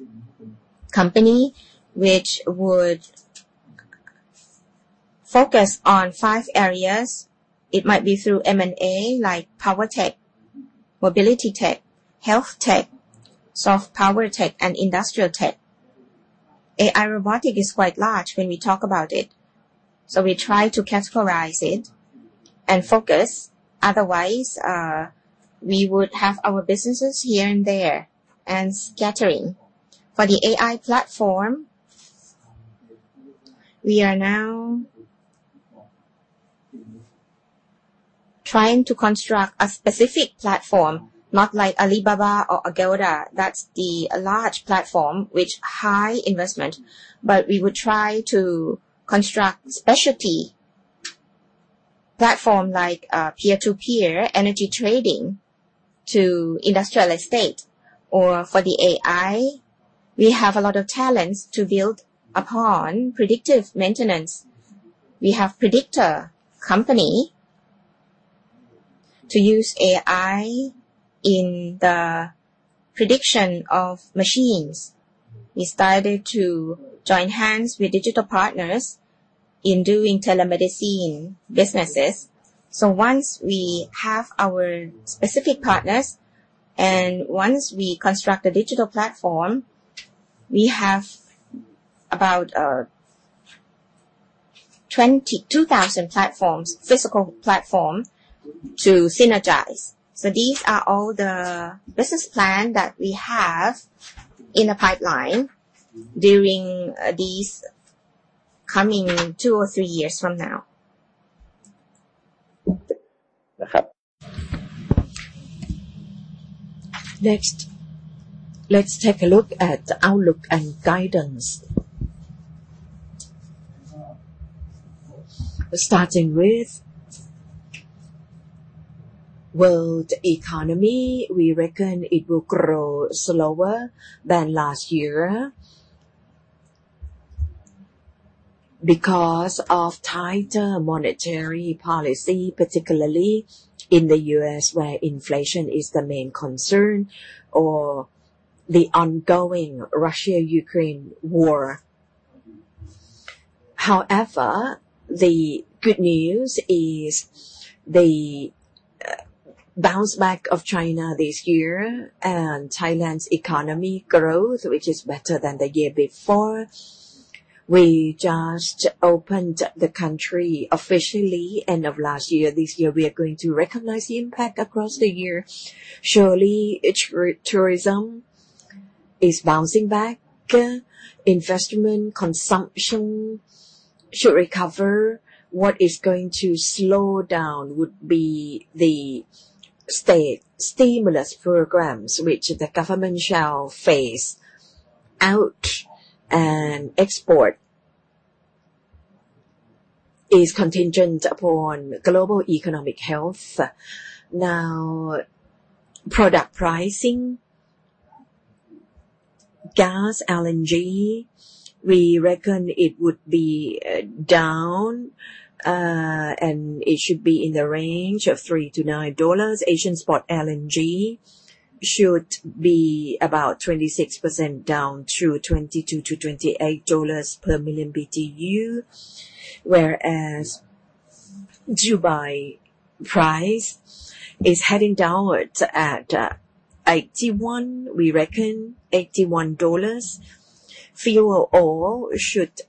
S2: company which would focus on 5 areas. It might be through M&A like power tech, mobility tech, health tech, soft power tech, and industrial tech. AI robotic is quite large when we talk about it, so we try to categorize it and focus. Otherwise, we would have our businesses here and there and scattering. For the AI platform, we are now trying to construct a specific platform, not like Alibaba or Agoda. That's the large platform, which high investment, but we would try to construct specialty platform like peer-to-peer energy trading to industrial estate. For the AI, we have a lot of talents to build upon predictive maintenance. We have Prediktor company to use AI in the prediction of machines. We started to join hands with digital partners in doing telemedicine businesses. Once we have our specific partners, and once we construct a digital platform, we have about 22,000 platforms, physical platform to synergize. These are all the business plan that we have in the pipeline during these coming two or three years from now.
S1: Next, let's take a look at the outlook and guidance. Starting with world economy. We reckon it will grow slower than last year because of tighter monetary policy, particularly in the U.S. where inflation is the main concern or the ongoing Russian-Ukraine war. The good news is the bounce back of China this year and Thailand's economy growth, which is better than the year before. We just opened the country officially end of last year. This year we are going to recognize the impact across the year. Surely it's tourism is bouncing back. Investment, consumption should recover. What is going to slow down would be the state stimulus programs which the government shall phase out, export is contingent upon global economic health. Product pricing. Gas, LNG, we reckon it would be down, and it should be in the range of $3-$9. Asian spot LNG should be about 26% down to $22-$28 per million BTU. Whereas Dubai price is heading downwards at 81, we reckon $81. Fuel oil should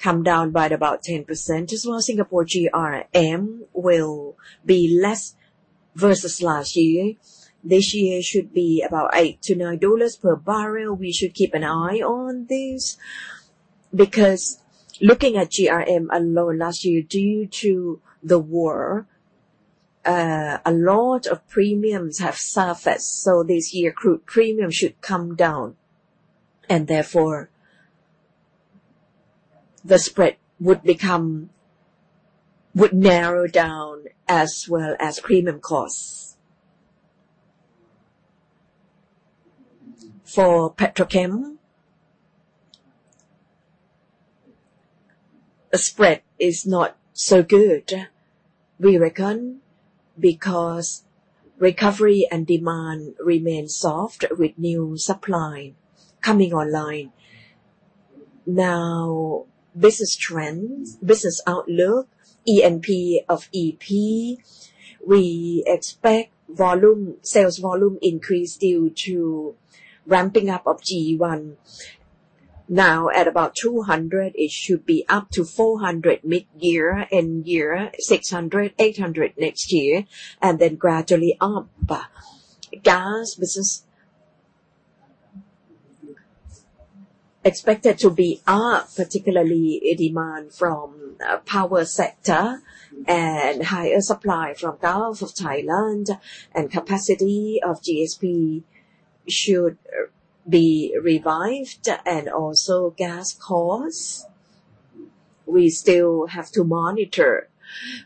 S1: come down by about 10% as well. Singapore GRM will be less versus last year. This year should be about $8-$9 per barrel. We should keep an eye on this because looking at GRM alone last year, due to the war, a lot of premiums have surfaced. This year crude premium should come down and therefore the spread would narrow down as well as premium costs. For petrochemical, spread is not so good we reckon because recovery and demand remain soft with new supply coming online. Business trends, business outlook, E&P of EP, we expect volume, sales volume increase due to ramping up of G1. At about 200, it should be up to 400 mid-year and year, 600, 800 next year, gradually up. Gas business expected to be up, particularly demand from power sector and higher supply from Gulf of Thailand and capacity of GSP should be revived and also gas costs. We still have to monitor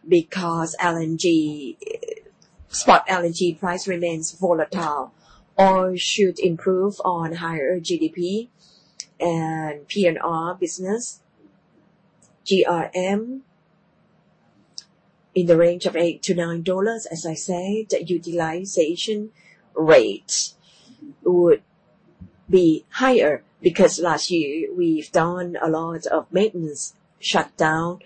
S1: because LNG, spot LNG price remains volatile or should improve on higher GDP and P&R business. GRM in the range of $8-$9. As I said, the utilization rate would be higher because last year we've done a lot of maintenance shutdown.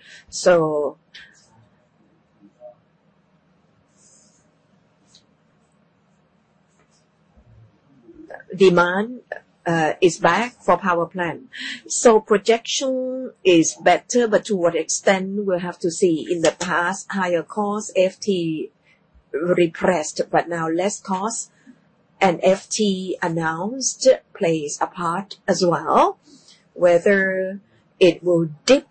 S1: Demand is back for power plant. Projection is better, to what extent we'll have to see. In the past, higher cost FT repressed, but now less cost and FT announced plays a part as well, whether it will dip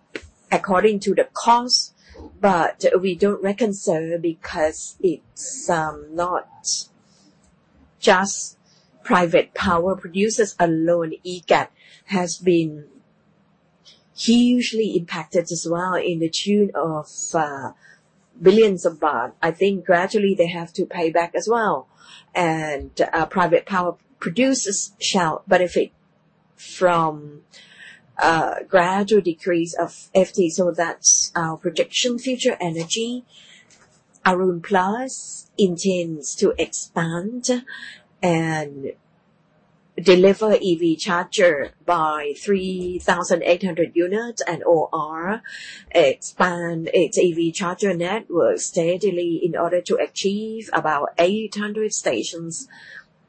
S1: according to the cost. We don't reconcile because it's not just private power producers alone. EGAT has been hugely impacted as well in the tune of billions of THB. I think gradually they have to pay back as well. Private power producers shall benefit from gradual decrease of FT. That's our projection. Future energy. Arun Plus intends to expand and deliver EV charger by 3,800 units and OR expand its EV charger network steadily in order to achieve about 800 stations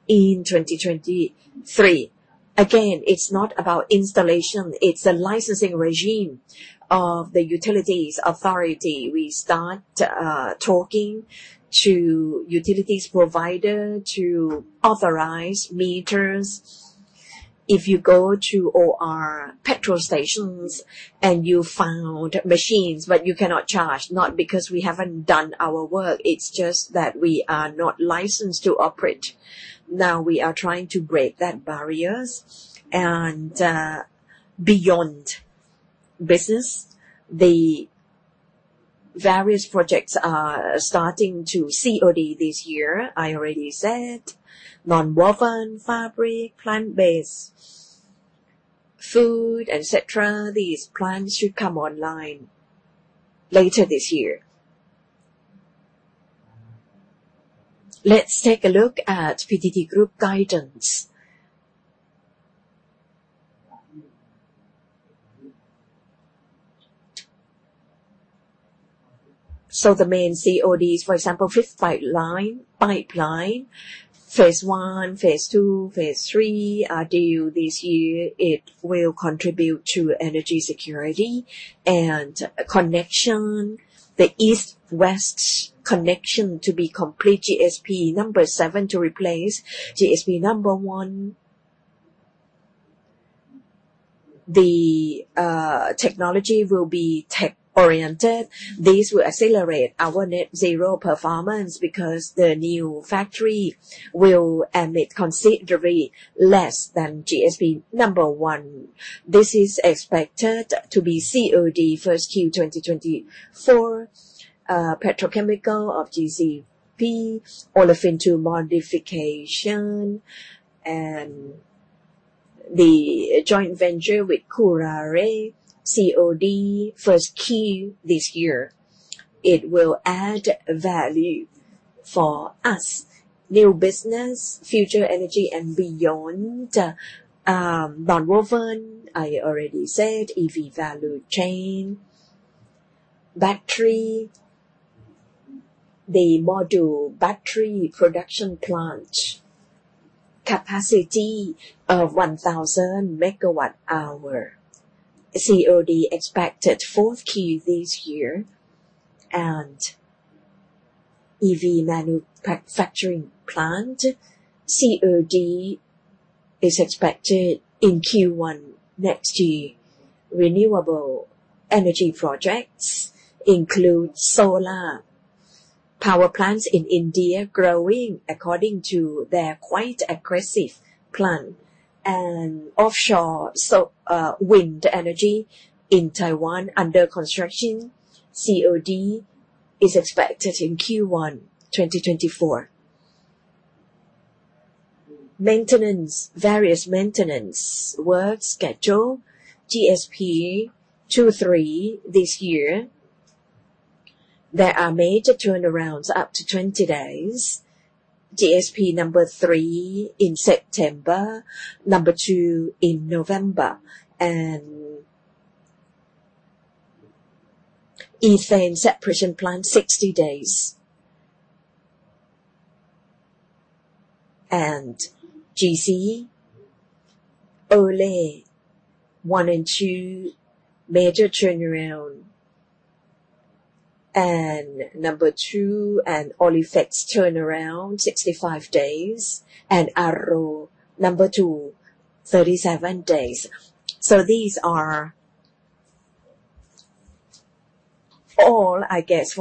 S1: in 2023. It's not about installation, it's the licensing regime of the utilities authority. We start talking to utilities provider to authorize meters. If you go to OR petrol stations and you found machines, but you cannot charge, not because we haven't done our work, it's just that we are not licensed to operate. Now we are trying to break that barriers and beyond business. The various projects are starting to COD this year. I already said nonwoven fabric, plant-based food, et cetera. These plants should come online later this year. Let's take a look at PTT Group guidance. The main CODs, for example, 5th pipeline phase I, phase II, phase III are due this year. It will contribute to energy security and connection. The East-West connection to be complete GSP number seven to replace GSP number one. The technology will be tech oriented. This will accelerate our Net Zero performance because the new factory will emit considerably less than GSP number one. This is expected to be COD 1st Q 2024. Petrochemical of PTTGC Olefins to modification and the joint venture with Kuraray 1st Q this year. It will add value for us. New business, future energy and beyond. Nonwoven, I already said EV value chain. Battery. The module battery production plant, capacity of 1,000 megawatt hour. COD expected 4th Q this year. EV manufacturing plant, COD is expected in Q1 next year. Renewable energy projects include solar power plants in India growing according to their quite aggressive plan and offshore wind energy in Taiwan under construction. COD is expected in Q1 2024. Maintenance. Various maintenance work schedule. GSP-2, GSP-3 this year. There are major turnarounds up to 20 days. GSP-3 in September, GSP-2 in November. Ethane separation plant 60 days. GC Ole one and two major turnaround. Number two and Oleflex turnaround 65 days. Aro number two, 37 days. These are all I guess.